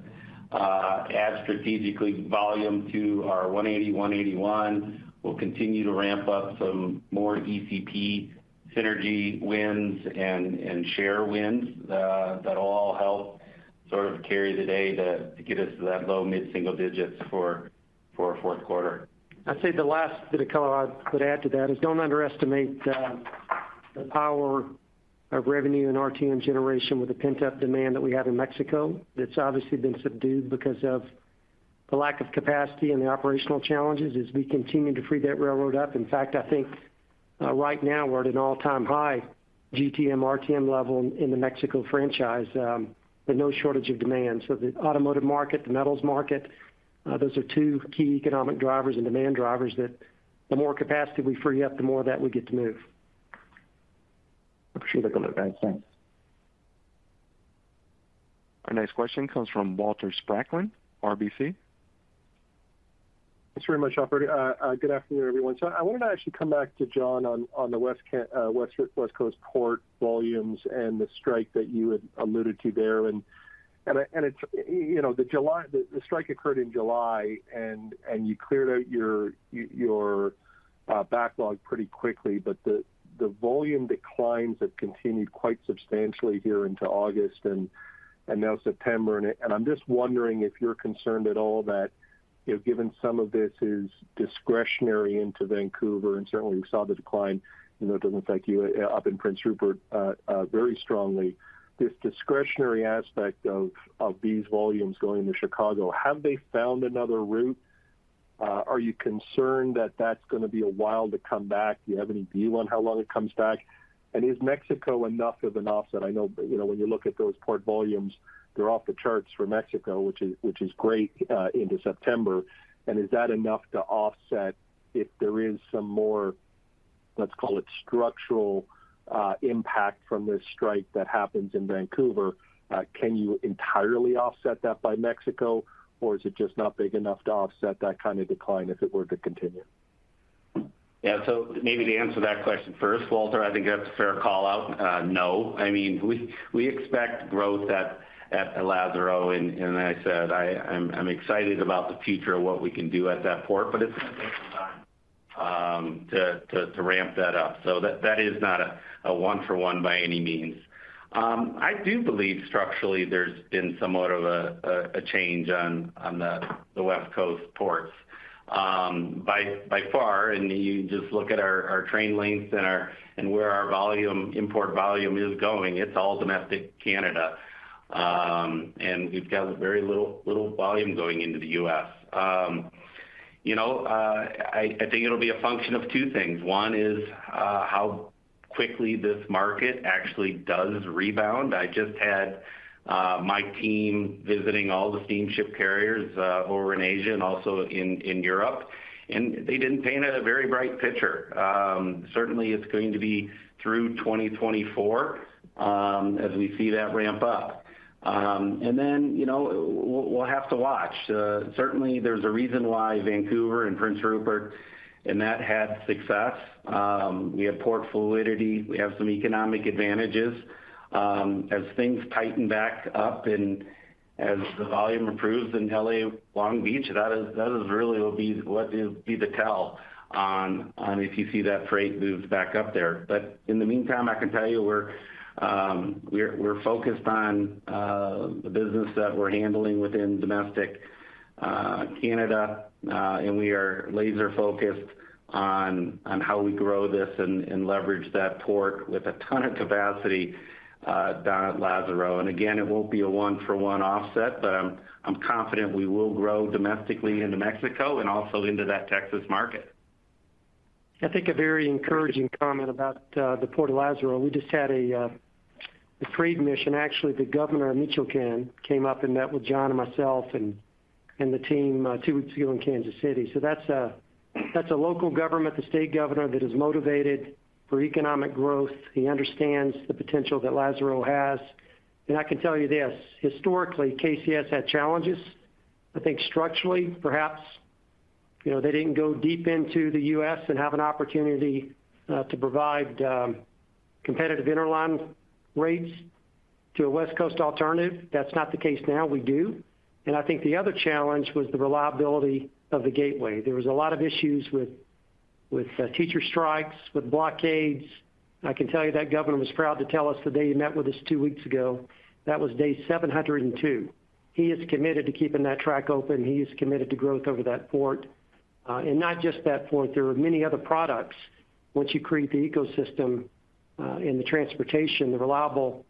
add strategically volume to our 180, 181. We'll continue to ramp up some more ECP synergy wins and share wins that will all help sort of carry the day to get us to that low mid single digits for our fourth quarter. I'd say the last bit of color I'd add to that is, don't underestimate the power of revenue and RTM generation with the pent-up demand that we have in Mexico. That's obviously been subdued because of the lack of capacity and the operational challenges as we continue to free that railroad up. In fact, I think right now we're at an all-time high GTM, RTM level in the Mexico franchise. There's no shortage of demand. So the automotive market, the metals market, those are two key economic drivers and demand drivers that the more capacity we free up, the more of that we get to move. Appreciate that, guys. Thanks. Our next question comes from Walter Spracklin, RBC. Thanks very much, operator. Good afternoon, everyone. So I wanted to actually come back to John on the West Coast port volumes and the strike that you had alluded to there. And it's, you know, the strike occurred in July, and you cleared out your backlog pretty quickly, but the volume declines have continued quite substantially here into August and now September. And I'm just wondering if you're concerned at all that, you know, given some of this is discretionary into Vancouver, and certainly we saw the decline, you know, it doesn't take you up in Prince Rupert very strongly. This discretionary aspect of these volumes going to Chicago, have they found another route? Are you concerned that that's going to be a while to come back? Do you have any view on how long it comes back? And is Mexico enough of an offset? I know, you know, when you look at those port volumes, they're off the charts for Mexico, which is, which is great, into September. And is that enough to offset if there is some more, let's call it, structural, impact from this strike that happens in Vancouver? Can you entirely offset that by Mexico, or is it just not big enough to offset that kind of decline if it were to continue? Yeah. So maybe to answer that question first, Walter, I think that's a fair call-out. No. I mean, we expect growth at Lázaro, and I said, I'm excited about the future of what we can do at that port, but it's going to take some time to ramp that up. So that is not a one for one by any means. I do believe structurally, there's been somewhat of a change on the West Coast ports. By far, and you just look at our train lengths and where our volume, import volume is going, it's all domestic Canada. And we've got very little volume going into the U.S..... You know, I think it'll be a function of two things. One is how quickly this market actually does rebound. I just had my team visiting all the steamship carriers over in Asia and also in Europe, and they didn't paint a very bright picture. Certainly, it's going to be through 2024 as we see that ramp up. And then, you know, we'll have to watch. Certainly, there's a reason why Vancouver and Prince Rupert had success. We have port fluidity, we have some economic advantages. As things tighten back up and as the volume improves in LA Long Beach, that is, that really will be what will be the tell on if you see that freight moves back up there. But in the meantime, I can tell you we're focused on the business that we're handling within domestic Canada, and we are laser focused on how we grow this and leverage that port with a ton of capacity down at Lázaro. And again, it won't be a one-for-one offset, but I'm confident we will grow domestically into Mexico and also into that Texas market. I think a very encouraging comment about the Port of Lázaro. We just had a trade mission. Actually, the Governor of Michoacán came up and met with John and myself and the team two weeks ago in Kansas City. So that's a local government, the state governor, that is motivated for economic growth. He understands the potential that Lázaro has. And I can tell you this: historically, KCS had challenges. I think structurally, perhaps, you know, they didn't go deep into the U.S. and have an opportunity to provide competitive interline rates to a West Coast alternative. That's not the case now, we do. And I think the other challenge was the reliability of the gateway. There was a lot of issues with teacher strikes, with blockades. I can tell you that governor was proud to tell us the day he met with us two weeks ago, that was day 702. He is committed to keeping that track open. He is committed to growth over that port. And not just that port, there are many other products. Once you create the ecosystem, and the transportation, the reliable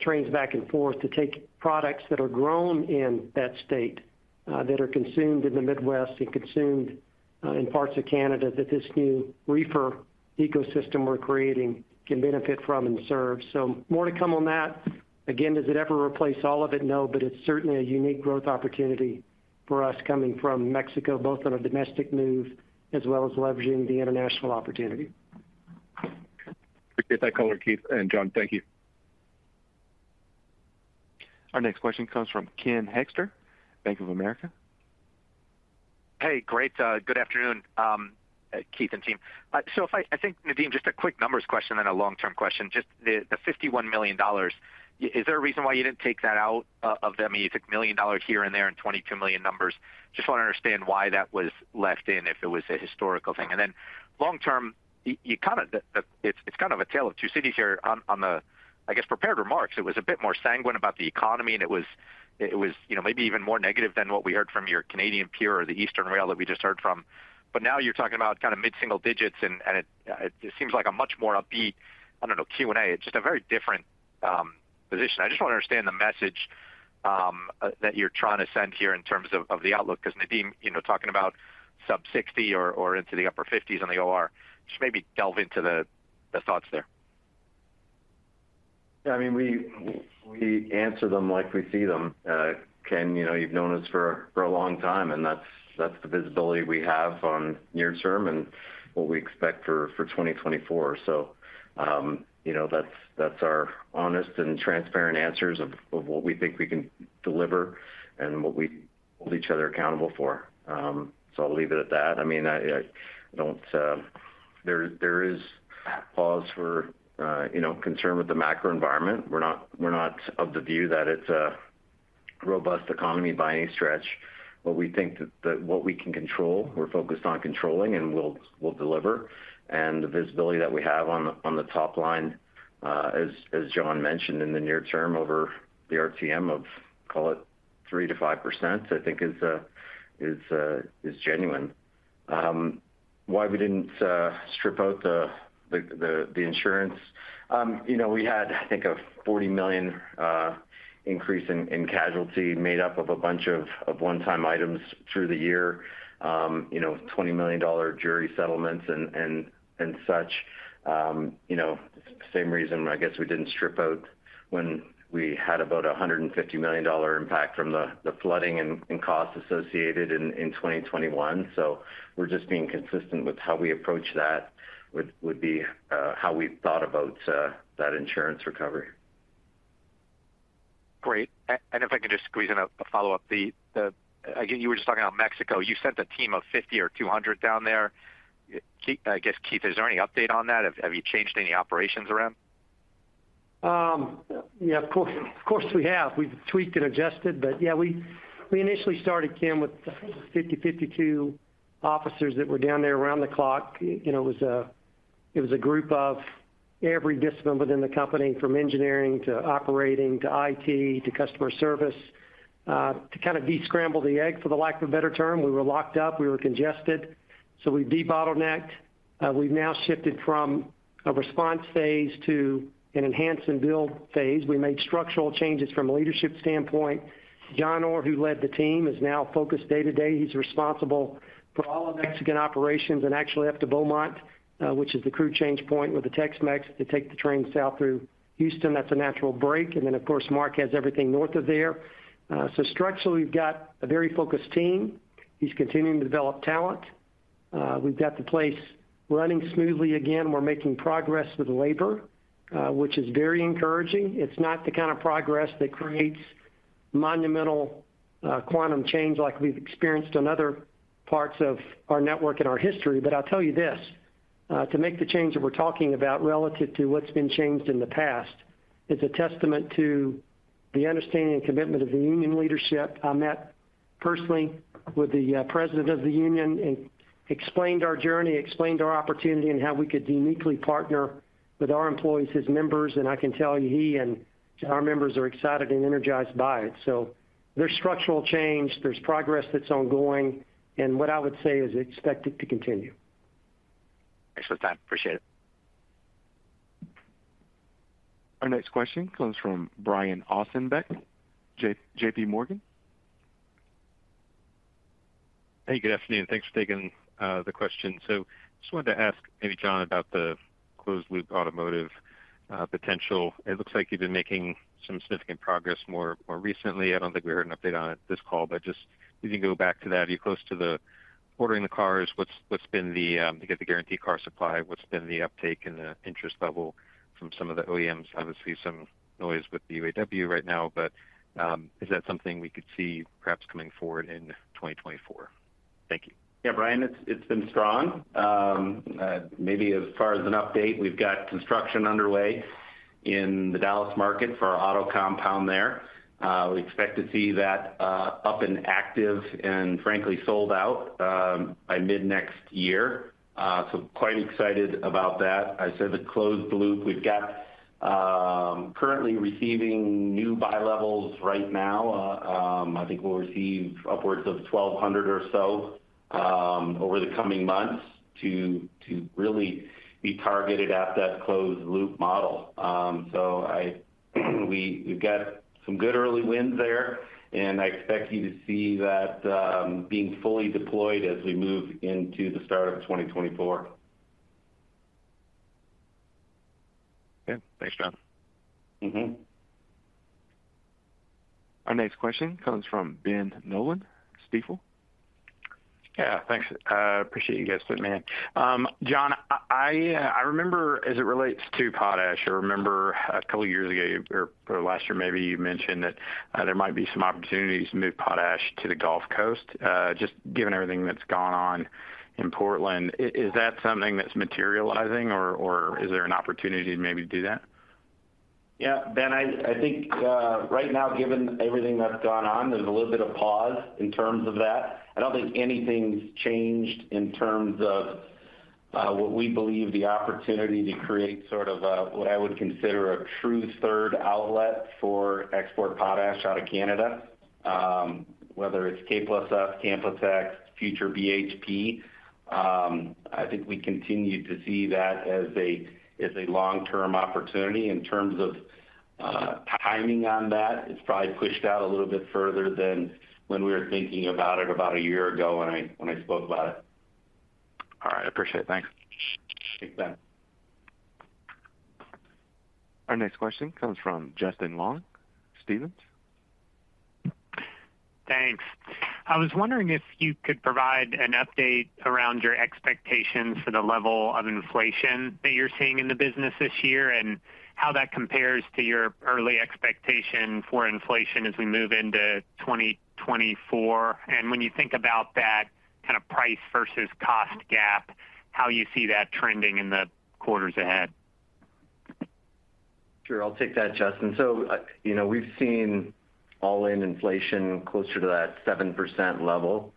trains back and forth to take products that are grown in that state, that are consumed in the Midwest and consumed in parts of Canada, that this new reefer ecosystem we're creating can benefit from and serve. So more to come on that. Again, does it ever replace all of it? No, but it's certainly a unique growth opportunity for us coming from Mexico, both on a domestic move as well as leveraging the international opportunity. Appreciate that color, Keith and John. Thank you. Our next question comes from Ken Hoexter, Bank of America. Hey, great, good afternoon, Keith and team. So, I think, Nadeem, just a quick numbers question and a long-term question. Just the 51 million dollars, is there a reason why you didn't take that out of them? You took 1 million dollars here and there, and 22 million numbers. Just want to understand why that was left in, if it was a historical thing. And then long term, you kind of... it's kind of a tale of two cities here. On the, I guess, prepared remarks, it was a bit more sanguine about the economy, and it was, you know, maybe even more negative than what we heard from your Canadian peer or the Eastern rail that we just heard from. But now you're talking about kind of mid-single digits, and it seems like a much more upbeat, I don't know, Q&A. It's just a very different position. I just want to understand the message that you're trying to send here in terms of the outlook, because, Nadeem, you know, talking about sub-60 or into the upper 50s on the OR, just maybe delve into the thoughts there. Yeah, I mean, we, we answer them like we see them. Ken, you know, you've known us for, for a long time, and that's, that's the visibility we have on near term and what we expect for, for 2024. So, you know, that's, that's our honest and transparent answers of, of what we think we can deliver and what we hold each other accountable for. So I'll leave it at that. I mean, I, I don't... There, there is cause for concern with the macro environment. We're not, we're not of the view that it's a robust economy by any stretch, but we think that, that what we can control, we're focused on controlling and we'll, we'll deliver. And the visibility that we have on the, on the top line, as, as John mentioned in the near term, over the RTM of, call it 3%-5%, I think is, is, is genuine. Why we didn't, strip out the, the, the, the insurance? You know, we had, I think, a 40 million, increase in, in casualty made up of a bunch of, of one-time items through the year. You know, 20 million dollar jury settlements and, and, and such. You know, same reason, I guess, we didn't strip out when we had about a 150 million dollar impact from the, the flooding and, and costs associated in, in 2021. So we're just being consistent with how we approach that, would, would be, how we thought about, that insurance recovery. Great. And if I could just squeeze in a follow-up. The. Again, you were just talking about Mexico. You sent a team of 50 or 200 down there. I guess, Keith, is there any update on that? Have you changed any operations around? Yeah, of course, of course, we have. We've tweaked and adjusted, but yeah, we initially started, Ken, with 50, 52 officers that were down there around the clock. You know, it was a group of every discipline within the company, from engineering to operating, to IT, to customer service, to kind of descramble the egg, for the lack of a better term. We were locked up, we were congested.... So we've de-bottlenecked. We've now shifted from a response phase to an enhance and build phase. We made structural changes from a leadership standpoint. John Orr, who led the team, is now focused day-to-day. He's responsible for all of Mexican operations and actually up to Beaumont, which is the crew change point with the Tex Mex to take the train south through Houston. That's a natural break. And then, of course, Mark has everything north of there. So structurally, we've got a very focused team. He's continuing to develop talent. We've got the place running smoothly again. We're making progress with labor, which is very encouraging. It's not the kind of progress that creates monumental quantum change like we've experienced in other parts of our network in our history. I'll tell you this, to make the change that we're talking about relative to what's been changed in the past, it's a testament to the understanding and commitment of the union leadership. I met personally with the president of the union and explained our journey, explained our opportunity, and how we could uniquely partner with our employees, his members, and I can tell you, he and our members are excited and energized by it. So there's structural change, there's progress that's ongoing, and what I would say is expect it to continue. Thanks for the time. Appreciate it. Our next question comes from Brian Ossenbeck, JP Morgan. Hey, good afternoon. Thanks for taking the question. So just wanted to ask maybe John about the closed loop automotive potential. It looks like you've been making some significant progress more recently. I don't think we heard an update on it this call, but just if you can go back to that. Are you close to ordering the cars? To get the guaranteed car supply, what's been the uptake and the interest level from some of the OEMs? Obviously, some noise with the UAW right now, but is that something we could see perhaps coming forward in 2024? Thank you. Yeah, Brian, it's been strong. Maybe as far as an update, we've got construction underway in the Dallas market for our auto compound there. We expect to see that up and active and frankly, sold out by mid-next year. So quite excited about that. I said the closed loop. We've got currently receiving new buy levels right now. I think we'll receive upwards of 1,200 or so over the coming months to really be targeted at that closed-loop model. So we, we've got some good early wins there, and I expect you to see that being fully deployed as we move into the start of 2024. Okay. Thanks, John. Mm-hmm. Our next question comes from Ben Nolan, Stifel. Yeah, thanks. Appreciate you guys letting me in. John, I remember as it relates to potash, I remember a couple of years ago or last year maybe, you mentioned that there might be some opportunities to move potash to the Gulf Coast. Just given everything that's gone on in Portland, is that something that's materializing or is there an opportunity to maybe do that? Yeah, Ben, I think right now, given everything that's gone on, there's a little bit of pause in terms of that. I don't think anything's changed in terms of what we believe the opportunity to create sort of a what I would consider a true third outlet for export potash out of Canada, whether it's K+S, Canpotex, future BHP. I think we continue to see that as a long-term opportunity. In terms of timing on that, it's probably pushed out a little bit further than when we were thinking about it about a year ago when I spoke about it. All right. I appreciate it. Thanks. Thanks, Ben. Our next question comes from Justin Long, Stephens. Thanks. I was wondering if you could provide an update around your expectations for the level of inflation that you're seeing in the business this year, and how that compares to your early expectation for inflation as we move into 2024. When you think about that kind of price versus cost gap, how you see that trending in the quarters ahead? Sure. I'll take that, Justin. So, you know, we've seen all-in inflation closer to that 7% level.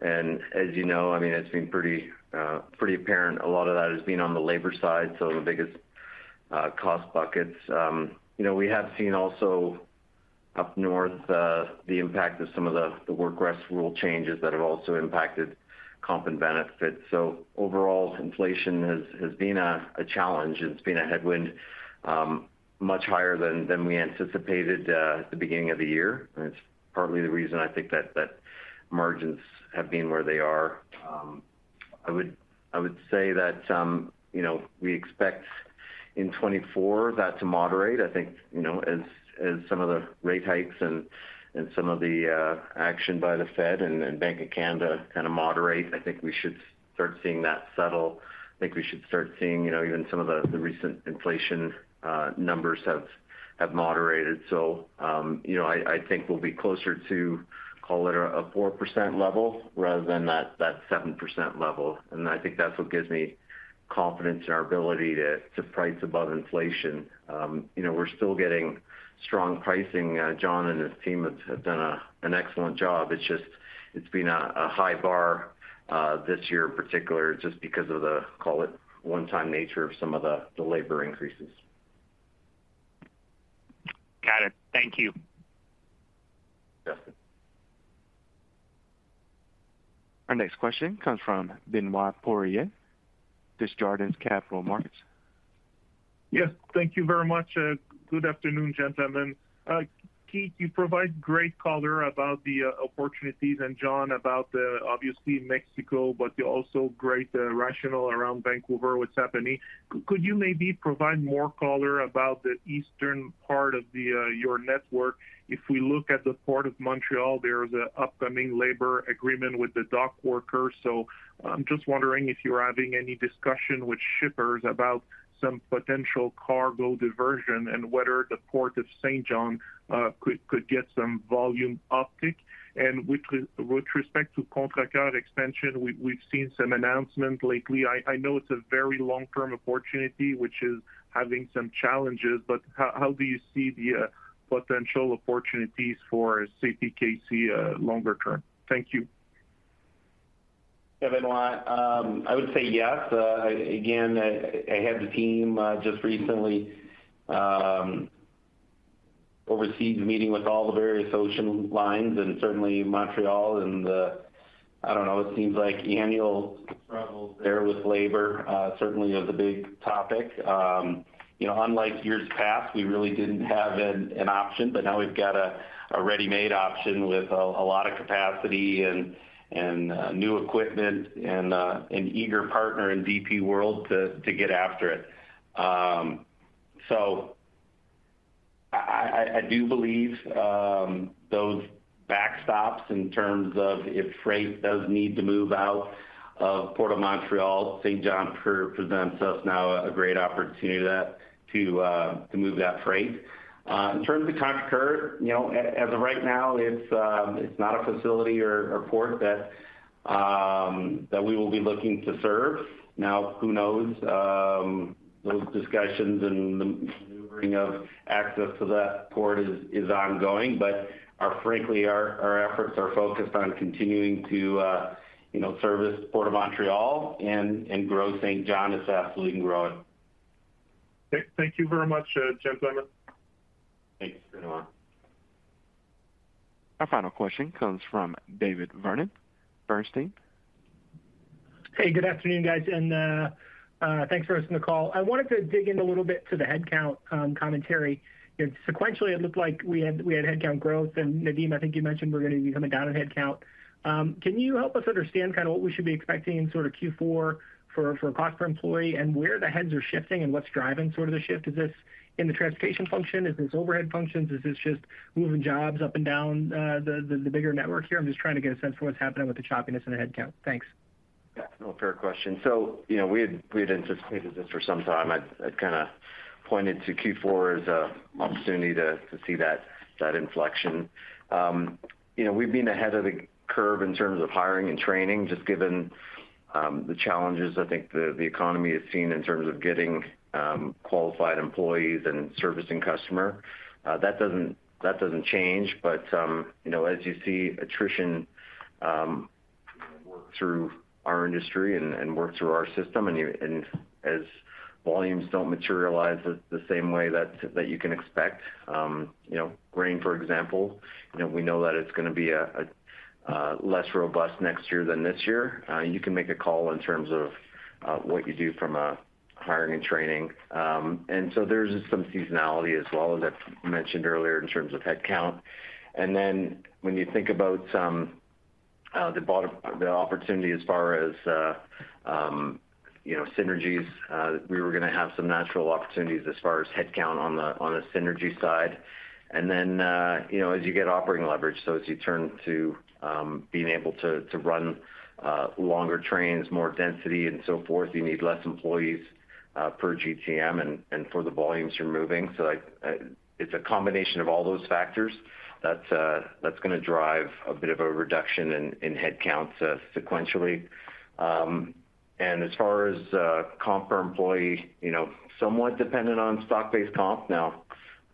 And as you know, I mean, it's been pretty, pretty apparent. A lot of that has been on the labor side, so the biggest cost buckets. You know, we have seen also up north, the impact of some of the, the work rest rule changes that have also impacted comp and benefits. So overall, inflation has, has been a, a challenge. It's been a headwind, much higher than, than we anticipated, at the beginning of the year. And it's partly the reason I think that, that margins have been where they are. I would, I would say that, you know, we expect in 2024 that to moderate. I think, you know, as some of the rate hikes and some of the action by the Fed and Bank of Canada kind of moderate, I think we should start seeing that settle. I think we should start seeing, you know, even some of the recent inflation numbers have moderated. So, you know, I think we'll be closer to, call it a 4% level rather than that 7% level. And I think that's what gives me confidence in our ability to price above inflation. You know, we're still getting strong pricing. John and his team have done an excellent job. It's just it's been a high bar this year in particular, just because of the, call it, one-time nature of some of the labor increases. Thank you. Justin. Our next question comes from Benoit Poirier, Desjardins Capital Markets. Yes, thank you very much. Good afternoon, gentlemen. Keith, you provide great color about the opportunities, and John, about the obviously Mexico, but the also great rationale around Vancouver, what's happening. Could you maybe provide more color about the eastern part of your network? If we look at the Port of Montreal, there is an upcoming labor agreement with the dock workers. So I'm just wondering if you are having any discussion with shippers about some potential cargo diversion, and whether the Port of Saint John could get some volume uptick? And with respect to Contrecœur expansion, we've seen some announcements lately. I know it's a very long-term opportunity, which is having some challenges, but how do you see the potential opportunities for CPKC longer term? Thank you. Yeah, Benoit, I would say yes. Again, I had the team just recently overseas, meeting with all the various ocean lines, and certainly Montreal and I don't know, it seems like annual struggles there with labor certainly is a big topic. You know, unlike years past, we really didn't have an option, but now we've got a ready-made option with a lot of capacity and new equipment and an eager partner in DP World to get after it. So I do believe those backstops, in terms of if freight does need to move out of Port of Montreal, Saint John presents us now a great opportunity to move that freight. In terms of Contrecœur, you know, as of right now, it's not a facility or port that we will be looking to serve. Now, who knows? Those discussions and the maneuvering of access to that port is ongoing, but our, frankly, our efforts are focused on continuing to, you know, service Port of Montreal and grow Saint John as fast as we can grow it. Okay. Thank you very much, gentlemen. Thanks, Benoit. Our final question comes from David Vernon, Bernstein. Hey, good afternoon, guys, and thanks for hosting the call. I wanted to dig in a little bit to the headcount commentary. You know, sequentially, it looked like we had headcount growth, and Nadeem, I think you mentioned we're gonna be coming down on headcount. Can you help us understand kind of what we should be expecting in sort of Q4 for cost per employee, and where the heads are shifting, and what's driving sort of the shift? Is this in the transportation function? Is this overhead functions? Is this just moving jobs up and down the bigger network here? I'm just trying to get a sense for what's happening with the choppiness in the headcount. Thanks. Yeah, no, fair question. So, you know, we had anticipated this for some time. I'd kind of pointed to Q4 as an opportunity to see that inflection. You know, we've been ahead of the curve in terms of hiring and training, just given the challenges I think the economy has seen in terms of getting qualified employees and servicing customer. That doesn't change, but you know, as you see attrition work through our industry and work through our system, and as volumes don't materialize the same way that you can expect, you know, grain, for example, you know, we know that it's gonna be a less robust next year than this year. You can make a call in terms of what you do from a hiring and training. And so there's some seasonality as well, as I mentioned earlier, in terms of headcount. And then, when you think about the bottom, the opportunity as far as, you know, synergies, we were gonna have some natural opportunities as far as headcount on the synergy side. And then, you know, as you get operating leverage, so as you turn to being able to run longer trains, more density and so forth, you need less employees per GTM and for the volumes you're moving. So it's a combination of all those factors that's gonna drive a bit of a reduction in headcounts sequentially. As far as comp per employee, you know, somewhat dependent on stock-based comp. Now,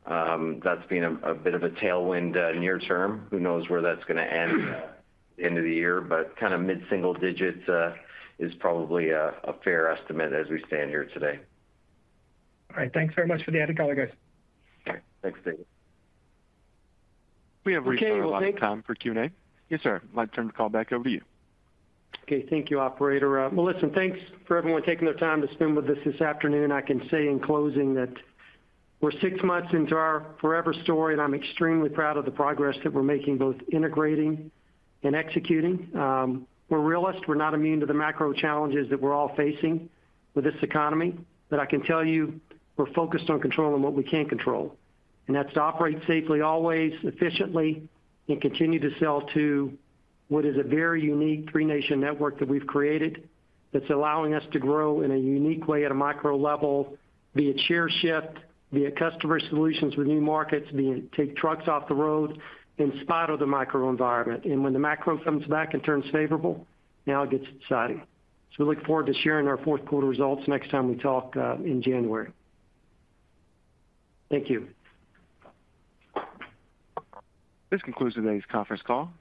that's been a bit of a tailwind near term. Who knows where that's gonna end of the year? Kind of mid-single digits is probably a fair estimate as we stand here today. All right. Thanks very much for the added color, guys. Okay. Thanks, David. We have reached our allotted time for Q&A. Okay, well, thank- Yes, sir. I'd like to turn the call back over to you. Okay. Thank you, operator. Well, listen, thanks for everyone taking the time to spend with us this afternoon. I can say in closing that we're six months into our forever story, and I'm extremely proud of the progress that we're making, both integrating and executing. We're realists. We're not immune to the macro challenges that we're all facing with this economy. But I can tell you, we're focused on controlling what we can control, and that's to operate safely, always, efficiently, and continue to sell to what is a very unique three-nation network that we've created, that's allowing us to grow in a unique way at a micro level, via share shift, via customer solutions with new markets, via take trucks off the road in spite of the microenvironment. And when the macro comes back and turns favorable, now it gets exciting. So we look forward to sharing our fourth quarter results next time we talk, in January. Thank you. This concludes today's conference call.